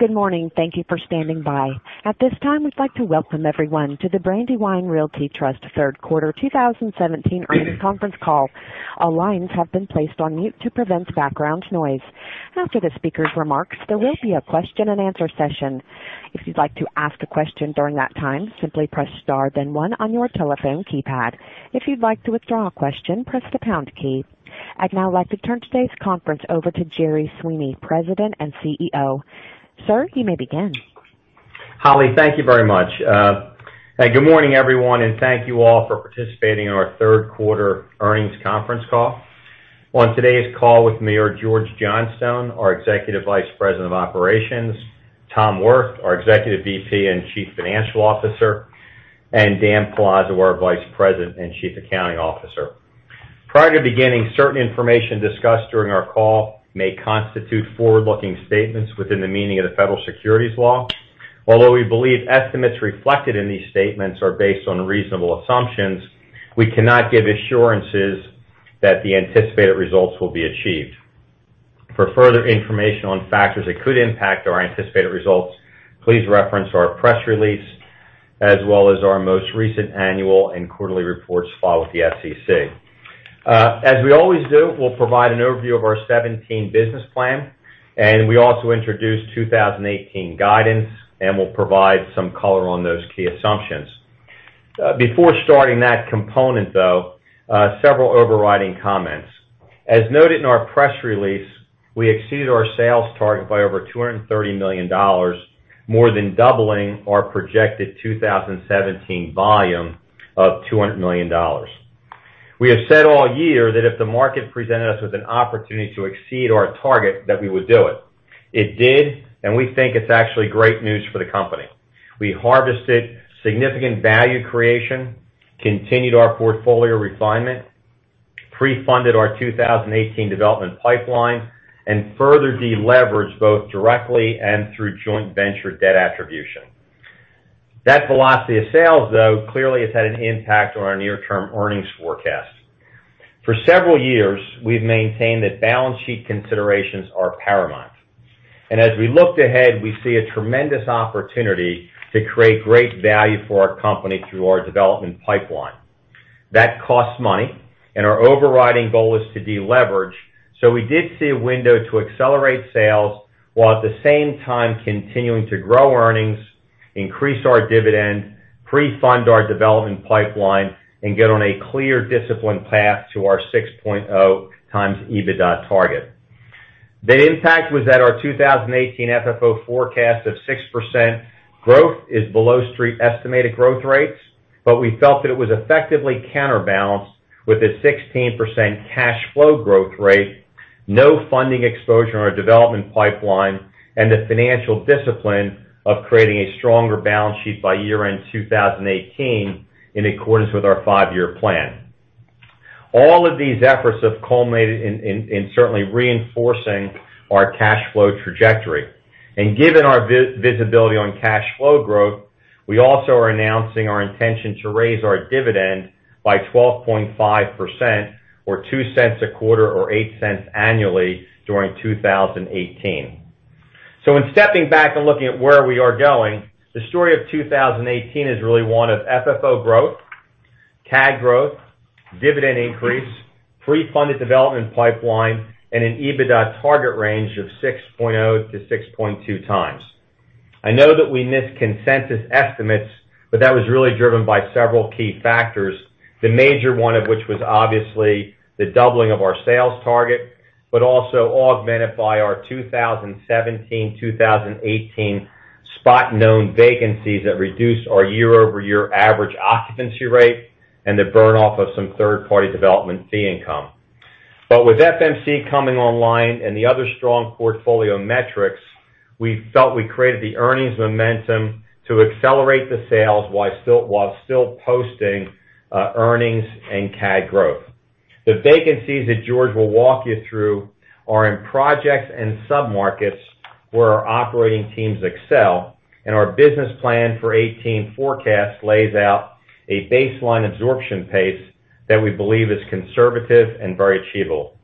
Good morning. Thank you for standing by. At this time, we'd like to welcome everyone to the Brandywine Realty Trust third quarter 2017 earnings conference call. All lines have been placed on mute to prevent background noise. After the speakers' remarks, there will be a question and answer session. If you'd like to ask a question during that time, simply press star then one on your telephone keypad. If you'd like to withdraw a question, press the pound key. I'd now like to turn today's conference over to Gerry Sweeney, President and CEO. Sir, you may begin. Holly, thank you very much. Thank you all for participating in our third quarter earnings conference call. On today's call with me are George Johnstone, our Executive Vice President of Operations, Tom Wirth, our Executive VP and Chief Financial Officer, Dan Palazzo, our Vice President and Chief Accounting Officer. Prior to beginning, certain information discussed during our call may constitute forward-looking statements within the meaning of the federal securities law. Although we believe estimates reflected in these statements are based on reasonable assumptions, we cannot give assurances that the anticipated results will be achieved. For further information on factors that could impact our anticipated results, please reference our press release, as well as our most recent annual and quarterly reports filed with the SEC. As we always do, we'll provide an overview of our 2017 business plan. We also introduce 2018 guidance, and we'll provide some color on those key assumptions. Before starting that component, though, several overriding comments. As noted in our press release, we exceeded our sales target by over $230 million, more than doubling our projected 2017 volume of $200 million. We have said all year that if the market presented us with an opportunity to exceed our target, that we would do it. It did, we think it's actually great news for the company. We harvested significant value creation, continued our portfolio refinement, pre-funded our 2018 development pipeline, and further de-leveraged both directly and through joint venture debt attribution. That velocity of sales, though, clearly has had an impact on our near-term earnings forecast. For several years, we've maintained that balance sheet considerations are paramount. As we looked ahead, we see a tremendous opportunity to create great value for our company through our development pipeline. That costs money, our overriding goal is to de-leverage. We did see a window to accelerate sales while at the same time continuing to grow earnings, increase our dividend, pre-fund our development pipeline, and get on a clear, disciplined path to our 6.0 times EBITDA target. The impact was that our 2018 FFO forecast of 6% growth is below street estimated growth rates. We felt that it was effectively counterbalanced with a 16% cash flow growth rate, no funding exposure on our development pipeline, and the financial discipline of creating a stronger balance sheet by year-end 2018, in accordance with our five-year plan. All of these efforts have culminated in certainly reinforcing our cash flow trajectory. Given our visibility on cash flow growth, we also are announcing our intention to raise our dividend by 12.5%, or $0.02 a quarter or $0.08 annually during 2018. In stepping back and looking at where we are going, the story of 2018 is really one of FFO growth, AFFO growth, dividend increase, pre-funded development pipeline, and an EBITDA target range of 6.0-6.2 times. I know that we missed consensus estimates, but that was really driven by several key factors, the major one of which was obviously the doubling of our sales target, augmented by our 2017-2018 spot known vacancies that reduced our year-over-year average occupancy rate and the burn-off of some third-party development fee income. With FMC coming online and the other strong portfolio metrics, we felt we created the earnings momentum to accelerate the sales while still posting earnings and AFFO growth. The vacancies that George will walk you through are in projects and sub-markets where our operating teams excel, and our business plan for 2018 forecast lays out a baseline absorption pace that we believe is conservative and very achievable.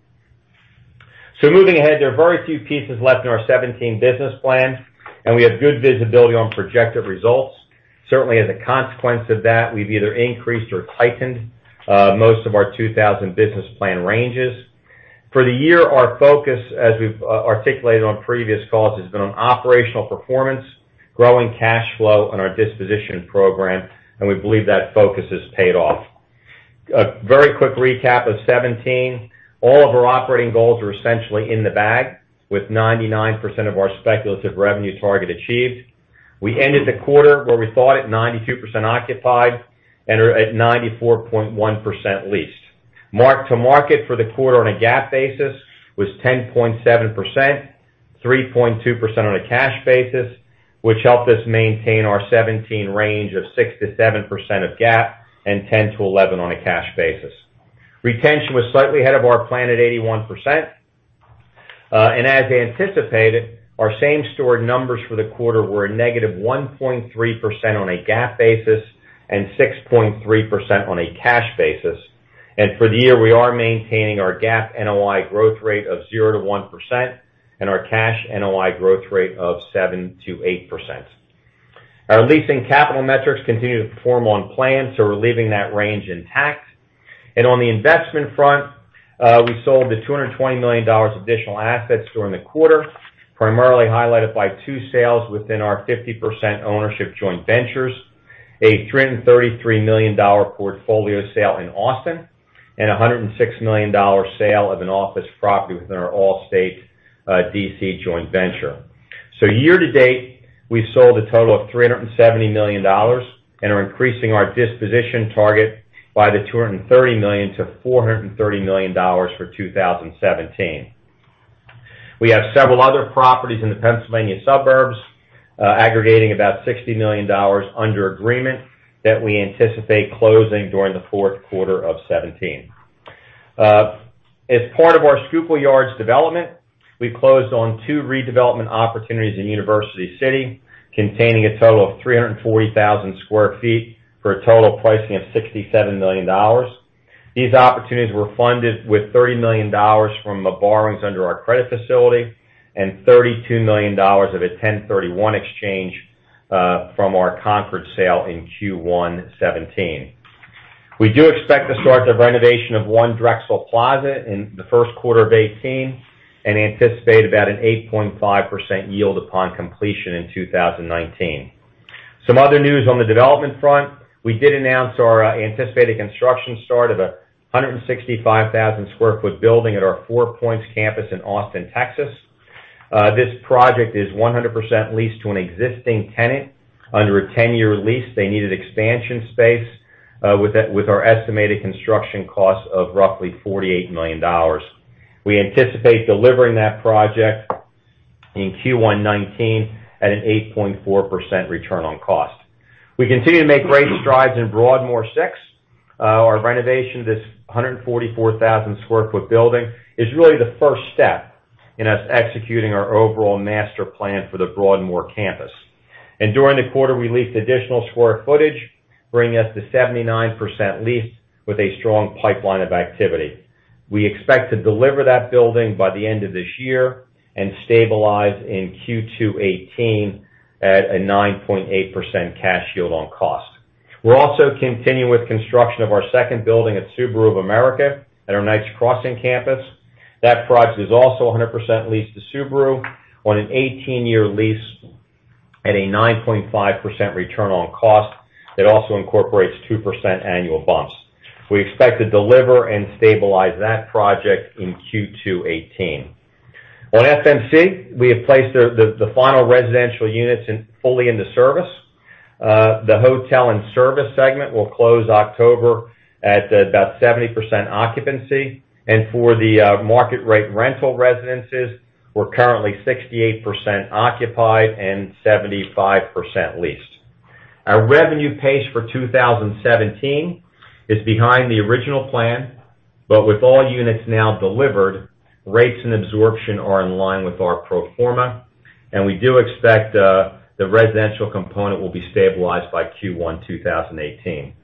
Moving ahead, there are very few pieces left in our 2017 business plan, and we have good visibility on projected results. Certainly, as a consequence of that, we've either increased or tightened most of our 2018 business plan ranges. For the year, our focus, as we've articulated on previous calls, has been on operational performance, growing cash flow, and our disposition program, and we believe that focus has paid off. A very quick recap of 2017. All of our operating goals are essentially in the bag, with 99% of our speculative revenue target achieved. We ended the quarter where we thought at 92% occupied and are at 94.1% leased. Mark-to-market for the quarter on a GAAP basis was 10.7%, 3.2% on a cash basis, which helped us maintain our 2017 range of 6%-7% of GAAP and 10%-11% on a cash basis. Retention was slightly ahead of our plan at 81%. As anticipated, our same-store numbers for the quarter were a -1.3% on a GAAP basis and 6.3% on a cash basis. For the year, we are maintaining our GAAP NOI growth rate of 0%-1%, and our cash NOI growth rate of 7%-8%. Our leasing capital metrics continue to perform on plan, so we're leaving that range intact. On the investment front, we sold the $220 million additional assets during the quarter, primarily highlighted by two sales within our 50% ownership joint ventures, a $333 million portfolio sale in Austin, and a $106 million sale of an office property within our Allstate D.C. joint venture. Year-to-date, we've sold a total of $370 million, and are increasing our disposition target by the $230 million-$430 million for 2017. We have several other properties in the Pennsylvania suburbs aggregating about $60 million under agreement that we anticipate closing during the fourth quarter of 2017. As part of our Schuylkill Yards development, we closed on two redevelopment opportunities in University City, containing a total of 340,000 sq ft for a total pricing of $67 million. These opportunities were funded with $30 million from the borrowings under our credit facility and $32 million of a 1031 exchange from our Concord sale in Q1 2017. We do expect to start the renovation of One Drexel Plaza in the first quarter of 2018 and anticipate about an 8.5% yield upon completion in 2019. Some other news on the development front, we did announce our anticipated construction start of a 165,000 square foot building at our Four Points Campus in Austin, Texas. This project is 100% leased to an existing tenant under a 10-year lease. They needed expansion space, with our estimated construction cost of roughly $48 million. We anticipate delivering that project in Q1 2019 at an 8.4% return on cost. We continue to make great strides in Broadmoor 6. Our renovation of this 144,000 square foot building is really the first step in us executing our overall master plan for the Broadmoor campus. During the quarter, we leased additional square footage, bringing us to 79% leased with a strong pipeline of activity. We expect to deliver that building by the end of this year and stabilize in Q2 2018 at a 9.8% cash yield on cost. We are also continuing with construction of our second building at Subaru of America at our Knights Crossing campus. That project is also 100% leased to Subaru on an 18-year lease at a 9.5% return on cost. It also incorporates 2% annual bumps. We expect to deliver and stabilize that project in Q2 2018. On FMC, we have placed the final residential units fully into service. The hotel and service segment will close October at about 70% occupancy. For the market rate rental residences, we are currently 68% occupied and 75% leased. Our revenue pace for 2017 is behind the original plan, but with all units now delivered, rates and absorption are in line with our pro forma, and we do expect the residential component will be stabilized by Q1 2018.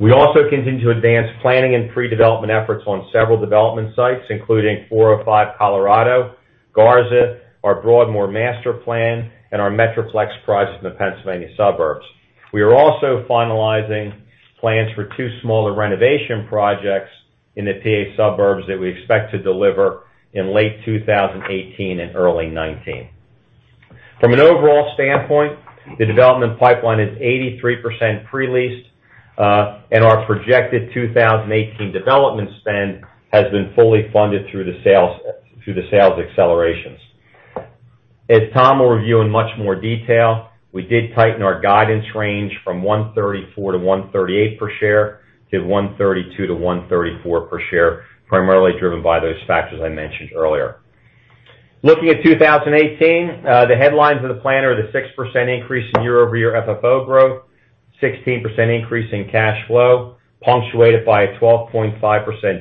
We also continue to advance planning and pre-development efforts on several development sites, including 405 Colorado, Garza, our Broadmoor master plan, and our Metroplex projects in the Pennsylvania suburbs. We are also finalizing plans for two smaller renovation projects in the PA suburbs that we expect to deliver in late 2018 and early 2019. From an overall standpoint, the development pipeline is 83% pre-leased, and our projected 2018 development spend has been fully funded through the sales accelerations. As Tom will review in much more detail, we did tighten our guidance range from $1.34-$1.38 per share to $1.32-$1.34 per share, primarily driven by those factors I mentioned earlier. Looking at 2018, the headlines of the plan are the 6% increase in year-over-year FFO growth, 16% increase in cash flow, punctuated by a 12.5%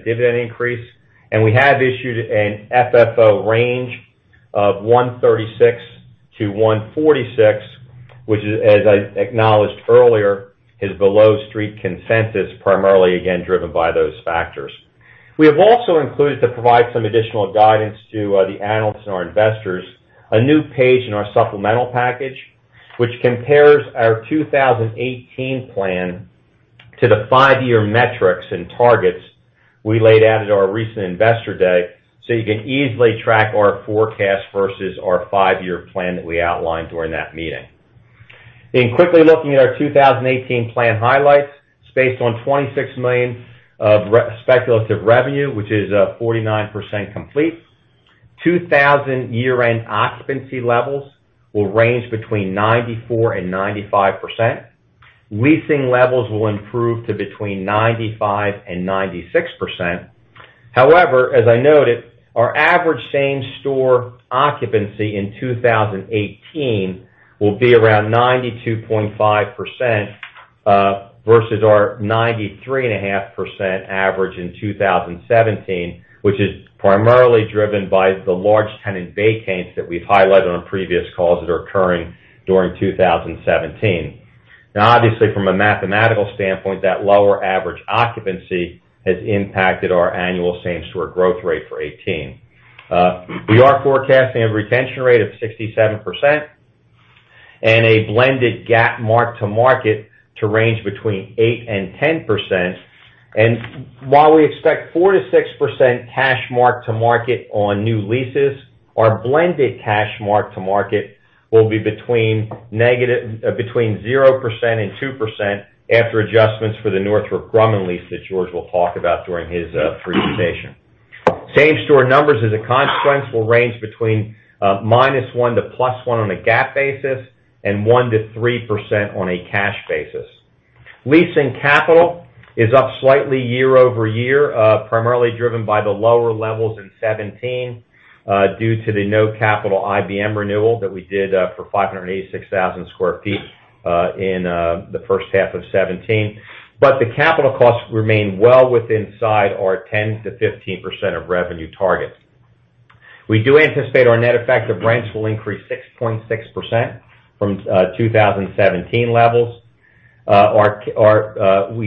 dividend increase. We have issued an FFO range of $1.36-$1.46, which, as I acknowledged earlier, is below street consensus, primarily, again, driven by those factors. We have also included to provide some additional guidance to the analysts and our investors, a new page in our supplemental package, which compares our 2018 plan to the five-year metrics and targets we laid out at our recent investor day, so you can easily track our forecast versus our five-year plan that we outlined during that meeting. In quickly looking at our 2018 plan highlights, it's based on $26 million of speculative revenue, which is 49% complete. 2018 year-end occupancy levels will range between 94%-95%. Leasing levels will improve to between 95%-96%. However, as I noted, our average same-store occupancy in 2018 will be around 92.5% versus our 93.5% average in 2017, which is primarily driven by the large tenant vacates that we've highlighted on previous calls that are occurring during 2017. Obviously, from a mathematical standpoint, that lower average occupancy has impacted our annual same-store growth rate for 2018. We are forecasting a retention rate of 67%, and a blended GAAP mark-to-market to range between 8%-10%. While we expect 4%-6% cash mark-to-market on new leases, our blended cash mark-to-market will be between 0%-2% after adjustments for the Northrop Grumman lease that George will talk about during his presentation. Same-store numbers, as a consequence, will range between -1% to +1% on a GAAP basis, and 1%-3% on a cash basis. Leasing capital is up slightly year-over-year, primarily driven by the lower levels in 2017, due to the no-capital IBM renewal that we did for 586,000 square feet in the first half of 2017. The capital costs remain well with inside our 10%-15% of revenue targets. We do anticipate our net effect of rents will increase 6.6% from 2017 levels. We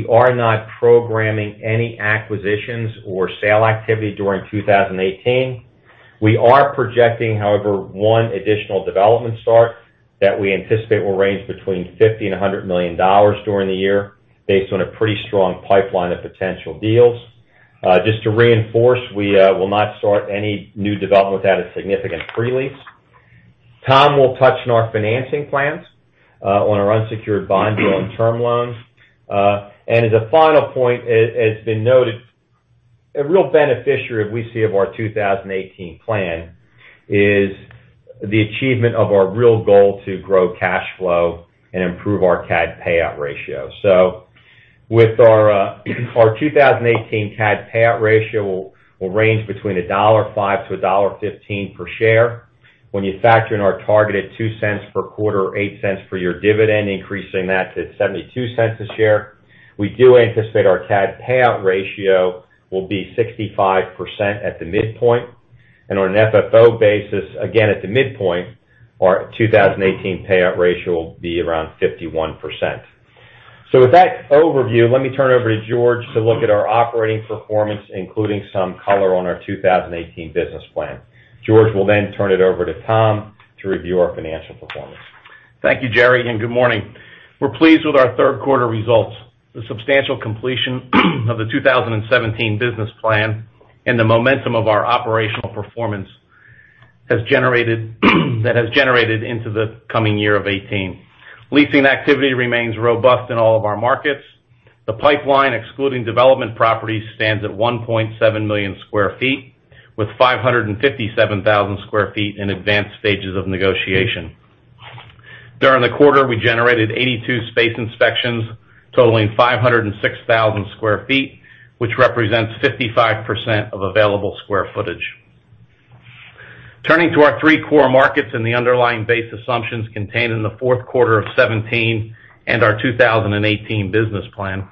are not programming any acquisitions or sale activity during 2018. We are projecting, however, one additional development start that we anticipate will range between $50 million-$100 million during the year, based on a pretty strong pipeline of potential deals. Just to reinforce, we will not start any new development without a significant pre-lease. Tom will touch on our financing plans on our unsecured bonds or on term loans. As a final point, as has been noted, a real beneficiary we see of our 2018 plan is the achievement of our real goal to grow cash flow and improve our CAD payout ratio. With our 2018 CAD payout ratio, will range between $1.05-$1.15 per share. When you factor in our target at $0.02 per quarter or $0.08 per your dividend, increasing that to $0.72 a share, we do anticipate our CAD payout ratio will be 65% at the midpoint. On an FFO basis, again at the midpoint, our 2018 payout ratio will be around 51%. With that overview, let me turn over to George to look at our operating performance, including some color on our 2018 business plan. George will then turn it over to Tom to review our financial performance. Thank you, Gerry, and good morning. We're pleased with our third quarter results. The substantial completion of the 2017 business plan and the momentum of our operational performance that has generated into the coming year of 2018. Leasing activity remains robust in all of our markets. The pipeline, excluding development properties, stands at 1.7 million square feet, with 557,000 square feet in advanced stages of negotiation. During the quarter, we generated 82 space inspections totaling 506,000 square feet, which represents 55% of available square footage. Turning to our three core markets and the underlying base assumptions contained in the fourth quarter of 2017 and our 2018 business plan.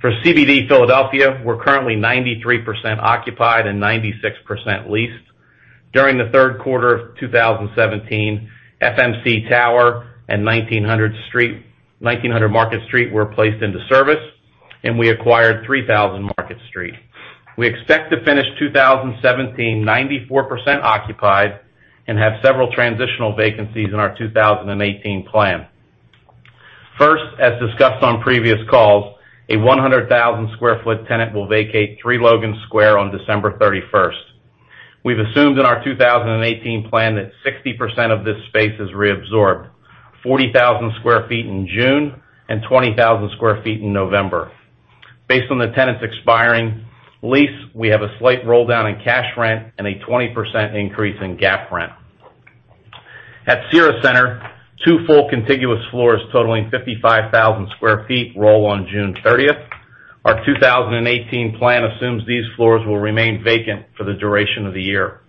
For CBD Philadelphia, we're currently 93% occupied and 96% leased. During the third quarter of 2017, FMC Tower and 1900 Market Street were placed into service, and we acquired 3000 Market Street. We expect to finish 2017 94% occupied and have several transitional vacancies in our 2018 plan. First, as discussed on previous calls, a 100,000-square-foot tenant will vacate 3 Logan Square on December 31st. We've assumed in our 2018 plan that 60% of this space is reabsorbed, 40,000 square feet in June and 20,000 square feet in November. Based on the tenant's expiring lease, we have a slight roll-down in cash rent and a 20% increase in GAAP rent. At Cira Centre, two full contiguous floors totaling 55,000 square feet roll on June 30th. Our 2018 plan assumes these floors will remain vacant for the duration of the year.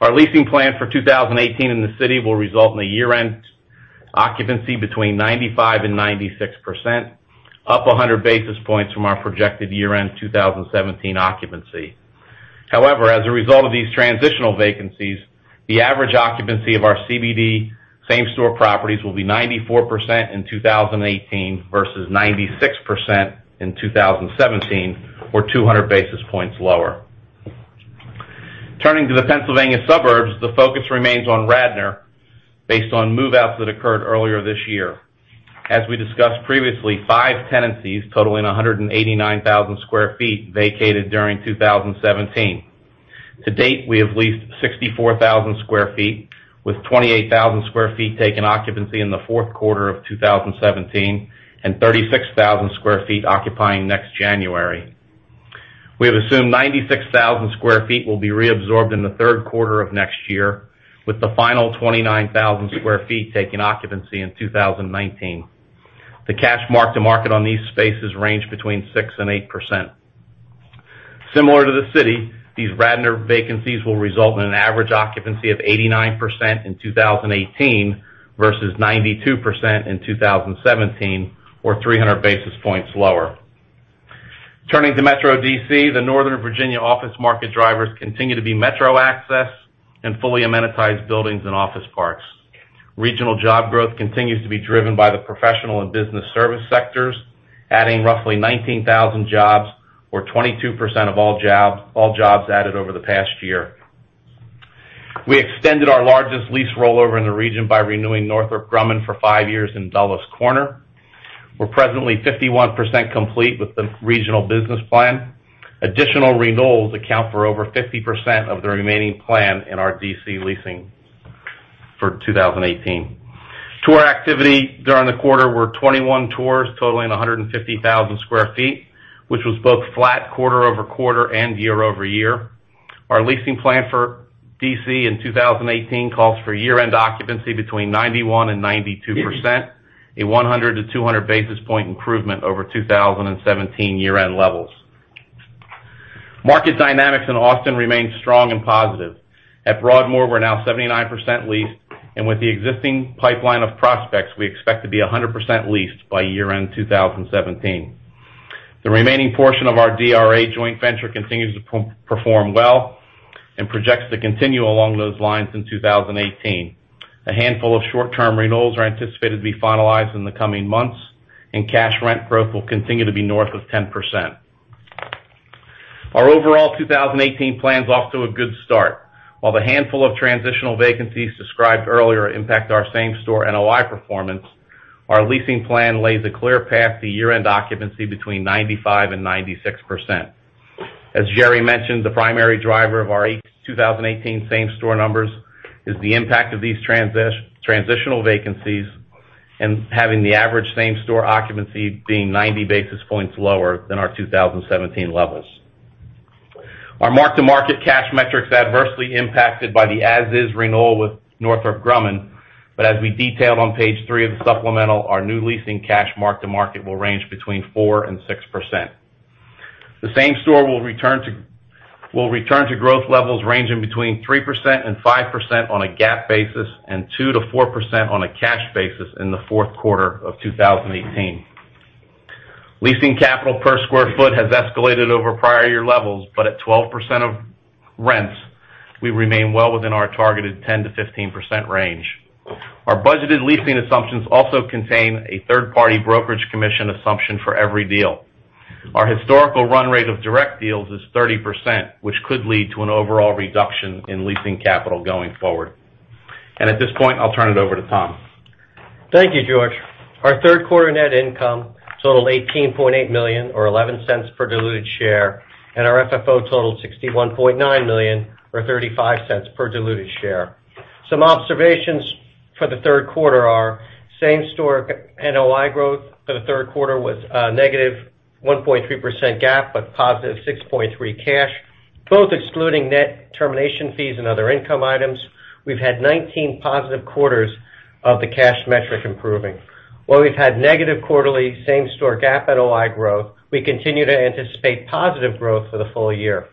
Our leasing plan for 2018 in the city will result in a year-end occupancy between 95%-96%, up 100 basis points from our projected year-end 2017 occupancy. However, as a result of these transitional vacancies, the average occupancy of our CBD same-store properties will be 94% in 2018 versus 96% in 2017, or 200 basis points lower. Turning to the Pennsylvania suburbs, the focus remains on Radnor based on move-outs that occurred earlier this year. As we discussed previously, five tenancies totaling 189,000 square feet vacated during 2017. To date, we have leased 64,000 square feet, with 28,000 square feet taking occupancy in the fourth quarter of 2017 and 36,000 square feet occupying next January. We have assumed 96,000 square feet will be reabsorbed in the third quarter of next year, with the final 29,000 square feet taking occupancy in 2019. The cash mark-to-market on these spaces range between 6%-8%. Similar to the city, these Radnor vacancies will result in an average occupancy of 89% in 2018 versus 92% in 2017, or 300 basis points lower. Turning to Metro D.C., the Northern Virginia office market drivers continue to be Metro access and fully amenitized buildings and office parks. Regional job growth continues to be driven by the professional and business service sectors, adding roughly 19,000 jobs or 22% of all jobs added over the past year. We extended our largest lease rollover in the region by renewing Northrop Grumman for five years in Dulles Corner. We're presently 51% complete with the regional business plan. Additional renewals account for over 50% of the remaining plan in our D.C. leasing for 2018. Tour activity during the quarter were 21 tours totaling 150,000 square feet, which was both flat quarter-over-quarter and year-over-year. Our leasing plan for D.C. in 2018 calls for year-end occupancy between 91%-92%, a 100-200 basis point improvement over 2017 year-end levels. Market dynamics in Austin remain strong and positive. At Broadmoor, we're now 79% leased, and with the existing pipeline of prospects, we expect to be 100% leased by year-end 2017. The remaining portion of our DRA joint venture continues to perform well and projects to continue along those lines in 2018. A handful of short-term renewals are anticipated to be finalized in the coming months, and cash rent growth will continue to be north of 10%. Our overall 2018 plan's off to a good start. While the handful of transitional vacancies described earlier impact our same-store NOI performance, our leasing plan lays a clear path to year-end occupancy between 95%-96%. As Gerry mentioned, the primary driver of our 2018 same-store numbers is the impact of these transitional vacancies and having the average same-store occupancy being 90 basis points lower than our 2017 levels. Our mark-to-market cash metrics adversely impacted by the as-is renewal with Northrop Grumman, but as we detailed on page three of the supplemental, our new leasing cash mark-to-market will range between 4%-6%. The same store will return to growth levels ranging between 3%-5% on a GAAP basis, and 2%-4% on a cash basis in the fourth quarter of 2018. Leasing capital per square foot has escalated over prior year levels, but at 12% of rents, we remain well within our targeted 10%-15% range. Our budgeted leasing assumptions also contain a third-party brokerage commission assumption for every deal. Our historical run rate of direct deals is 30%, which could lead to an overall reduction in leasing capital going forward. At this point, I'll turn it over to Tom. Thank you, George. Our third quarter net income totaled $18.8 million, or $0.11 per diluted share, and our FFO totaled $61.9 million, or $0.35 per diluted share. Some observations for the third quarter are same-store NOI growth for the third quarter was a negative 1.3% GAAP, but positive 6.3% cash. Both excluding net termination fees and other income items. We've had 19 positive quarters of the cash metric improving. While we've had negative quarterly same-store GAAP NOI growth, we continue to anticipate positive growth for the full year.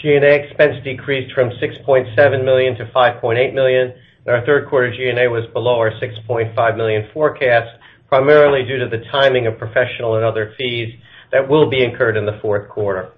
G&A expense decreased from $6.7 million to $5.8 million, and our third quarter G&A was below our $6.5 million forecast, primarily due to the timing of professional and other fees that will be incurred in the fourth quarter.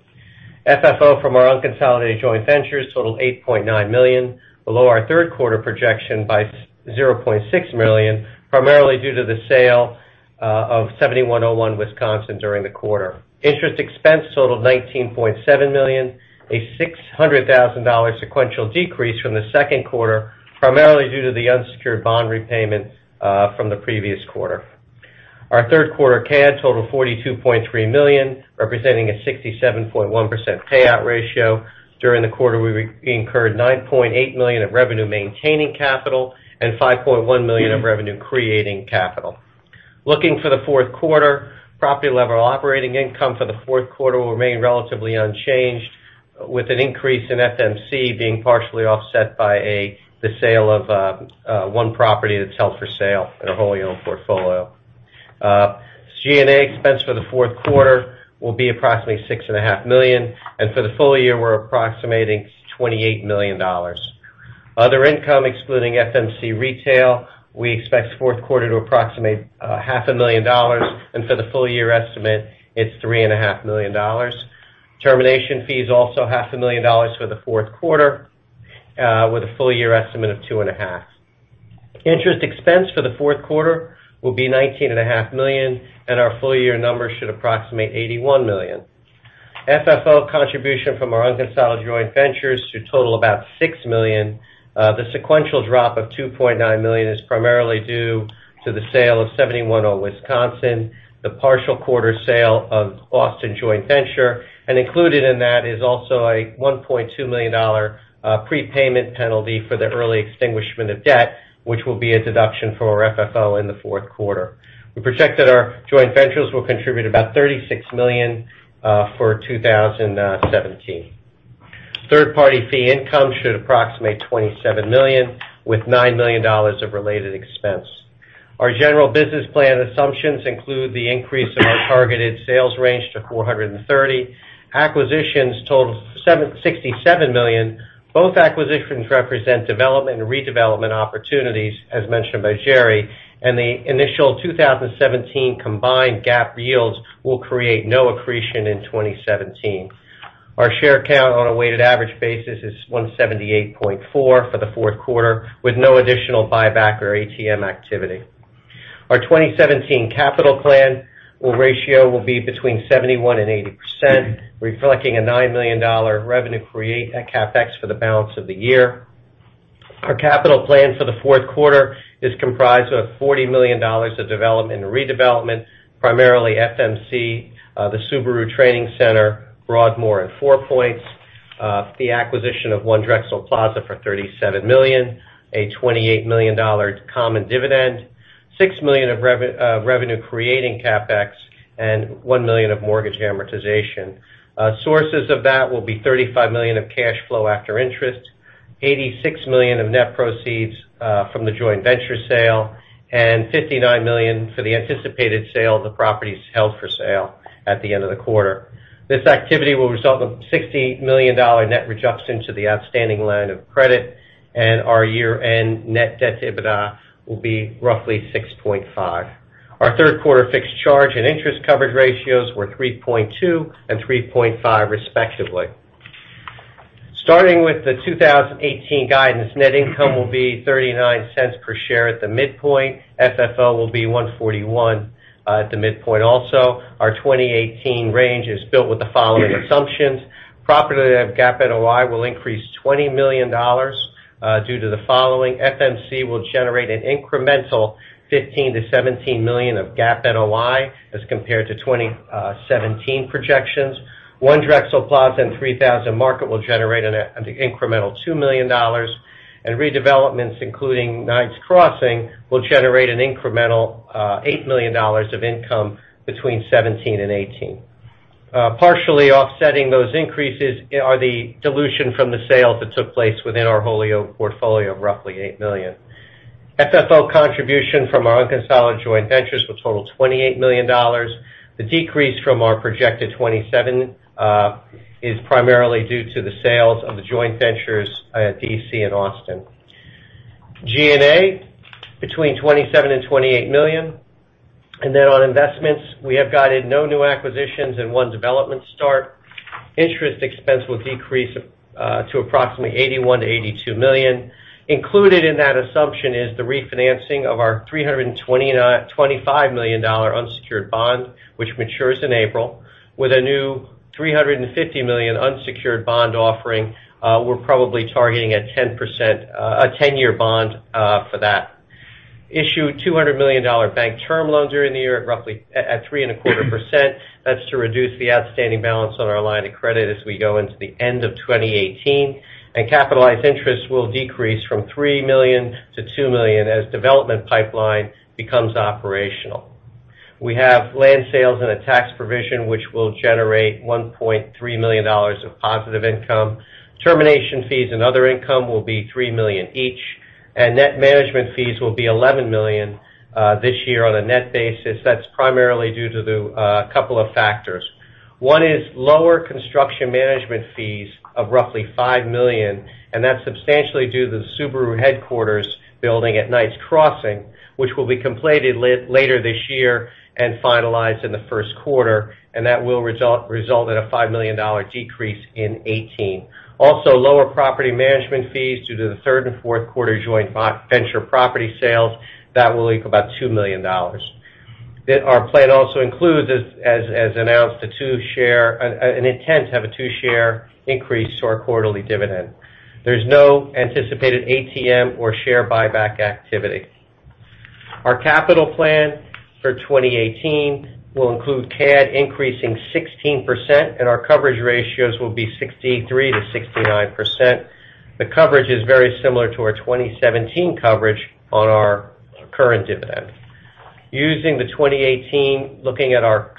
FFO from our unconsolidated joint ventures totaled $8.9 million, below our third-quarter projection by $0.6 million, primarily due to the sale of 7101 Wisconsin during the quarter. Interest expense totaled $19.7 million, a $600,000 sequential decrease from the second quarter, primarily due to the unsecured bond repayment from the previous quarter. Our third-quarter CAD totaled $42.3 million, representing a 67.1% payout ratio. During the quarter, we incurred $9.8 million of revenue maintaining capital and $5.1 million of revenue creating capital. Looking for the fourth quarter, property-level operating income for the fourth quarter will remain relatively unchanged, with an increase in FMC being partially offset by the sale of one property that's held for sale in our wholly-owned portfolio. G&A expense for the fourth quarter will be approximately $6.5 million, and for the full year, we're approximating $28 million. Other income excluding FMC retail, we expect fourth quarter to approximate $500,000, and for the full-year estimate, it's $3.5 million. Termination fees, also $500,000 for the fourth quarter, with a full-year estimate of two and a half. Interest expense for the fourth quarter will be $19.5 million, and our full-year numbers should approximate $81 million. FFO contribution from our unconsolidated joint ventures should total about $6 million. The sequential drop of $2.9 million is primarily due to the sale of 7101 Wisconsin, the partial quarter sale of Austin Joint Venture, and included in that is also a $1.2 million prepayment penalty for the early extinguishment of debt, which will be a deduction for our FFO in the fourth quarter. We project that our joint ventures will contribute about $36 million for 2017. Third-party fee income should approximate $27 million, with $9 million of related expense. Our general business plan assumptions include the increase in our targeted sales range to 430. Acquisitions totaled $67 million. Both acquisitions represent development and redevelopment opportunities, as mentioned by Gerry, and the initial 2017 combined GAAP yields will create no accretion in 2017. Our share count on a weighted average basis is 178.4 for the fourth quarter, with no additional buyback or ATM activity. Our 2017 capital plan ratio will be between 71%-80%, reflecting a $9 million revenue create at CapEx for the balance of the year. Our capital plan for the fourth quarter is comprised of $40 million of development and redevelopment, primarily FMC, the Subaru Training Center, Broadmoor at Four Points, the acquisition of One Drexel Plaza for $37 million, a $28 million common dividend, $6 million of revenue-creating CapEx, and $1 million of mortgage amortization. Sources of that will be $35 million of cash flow after interest, $86 million of net proceeds from the joint venture sale, and $59 million for the anticipated sale of the properties held for sale at the end of the quarter. This activity will result in a $60 million net reduction to the outstanding line of credit, and our year-end Net Debt to EBITDA will be roughly 6.5. Our third quarter fixed charge and interest coverage ratios were 3.2 and 3.5 respectively. Starting with the 2018 guidance, net income will be $0.39 per share at the midpoint. FFO will be 141 at the midpoint also. Our 2018 range is built with the following assumptions. Property that have GAAP NOI will increase $20 million due to the following. FMC will generate an incremental $15 million-$17 million of GAAP NOI as compared to 2017 projections. One Drexel Plaza and 3000 Market will generate an incremental $2 million, and redevelopments, including Knights Crossing, will generate an incremental $8 million of income between 2017 and 2018. Partially offsetting those increases are the dilution from the sales that took place within our wholly-owned portfolio of roughly $8 million. FFO contribution from our unconsolidated joint ventures will total $28 million. The decrease from our projected $27 million is primarily due to the sales of the joint ventures at D.C. and Austin. G&A, between $27 million and $28 million. On investments, we have guided no new acquisitions and one development start. Interest expense will decrease to approximately $81 million to $82 million. Included in that assumption is the refinancing of our $325 million unsecured bond, which matures in April, with a new $350 million unsecured bond offering. We're probably targeting a 10-year bond for that. Issue $200 million bank term loans during the year at 3.25%. That's to reduce the outstanding balance on our line of credit as we go into the end of 2018. Capitalized interest will decrease from $3 million to $2 million as development pipeline becomes operational. We have land sales and a tax provision which will generate $1.3 million of positive income. Termination fees and other income will be $3 million each. Net management fees will be $11 million this year on a net basis. That's primarily due to a couple of factors. One is lower construction management fees of roughly $5 million, and that's substantially due to the Subaru headquarters building at Knights Crossing, which will be completed later this year and finalized in the first quarter, and that will result in a $5 million decrease in 2018. Lower property management fees due to the third and fourth quarter joint venture property sales. That will make about $2 million. Our plan also includes, as announced, an intent to have a $0.02 per share increase to our quarterly dividend. There's no anticipated ATM or share buyback activity. Our capital plan for 2018 will include CAD increasing 16%, and our coverage ratios will be 63%-69%. The coverage is very similar to our 2017 coverage on our current dividend. Using the 2018, looking at our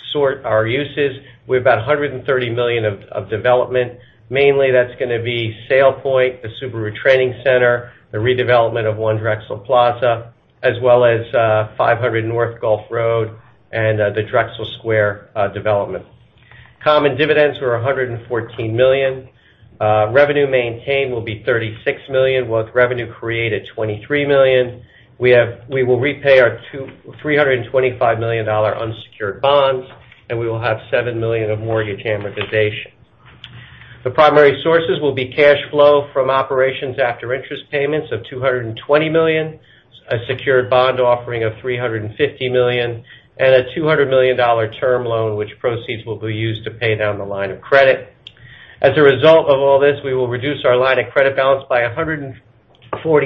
uses, we've got $130 million of development. Mainly that's going to be SailPoint, the Subaru Training Center, the redevelopment of One Drexel Plaza, as well as 500 North Gulph Road and the Drexel Square development. Common dividends were $114 million. Revenue maintain will be $36 million, with revenue create at $23 million. We will repay our $325 million unsecured bonds. We will have $7 million of mortgage amortization. The primary sources will be cash flow from operations after interest payments of $220 million, a secured bond offering of $350 million, and a $200 million term loan, which proceeds will be used to pay down the line of credit. As a result of all this, we will reduce our line of credit balance by $140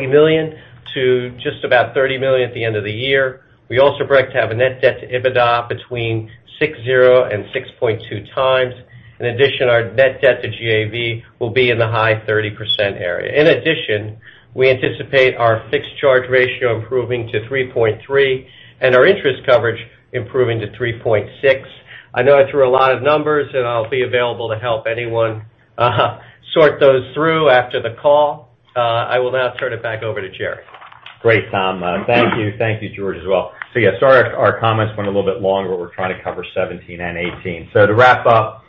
million to just about $30 million at the end of the year. We also break to have a Net Debt to EBITDA between 6.0 and 6.2 times. Our Net Debt to GAV will be in the high 30% area. We anticipate our fixed charge ratio improving to 3.3 and our interest coverage improving to 3.6. I know I threw a lot of numbers, and I'll be available to help anyone sort those through after the call. I will now turn it back over to Gerry. Great, Tom. Thank you. Thank you, George, as well. Yes, sorry our comments went a little bit long, but we're trying to cover 2017 and 2018. To wrap up,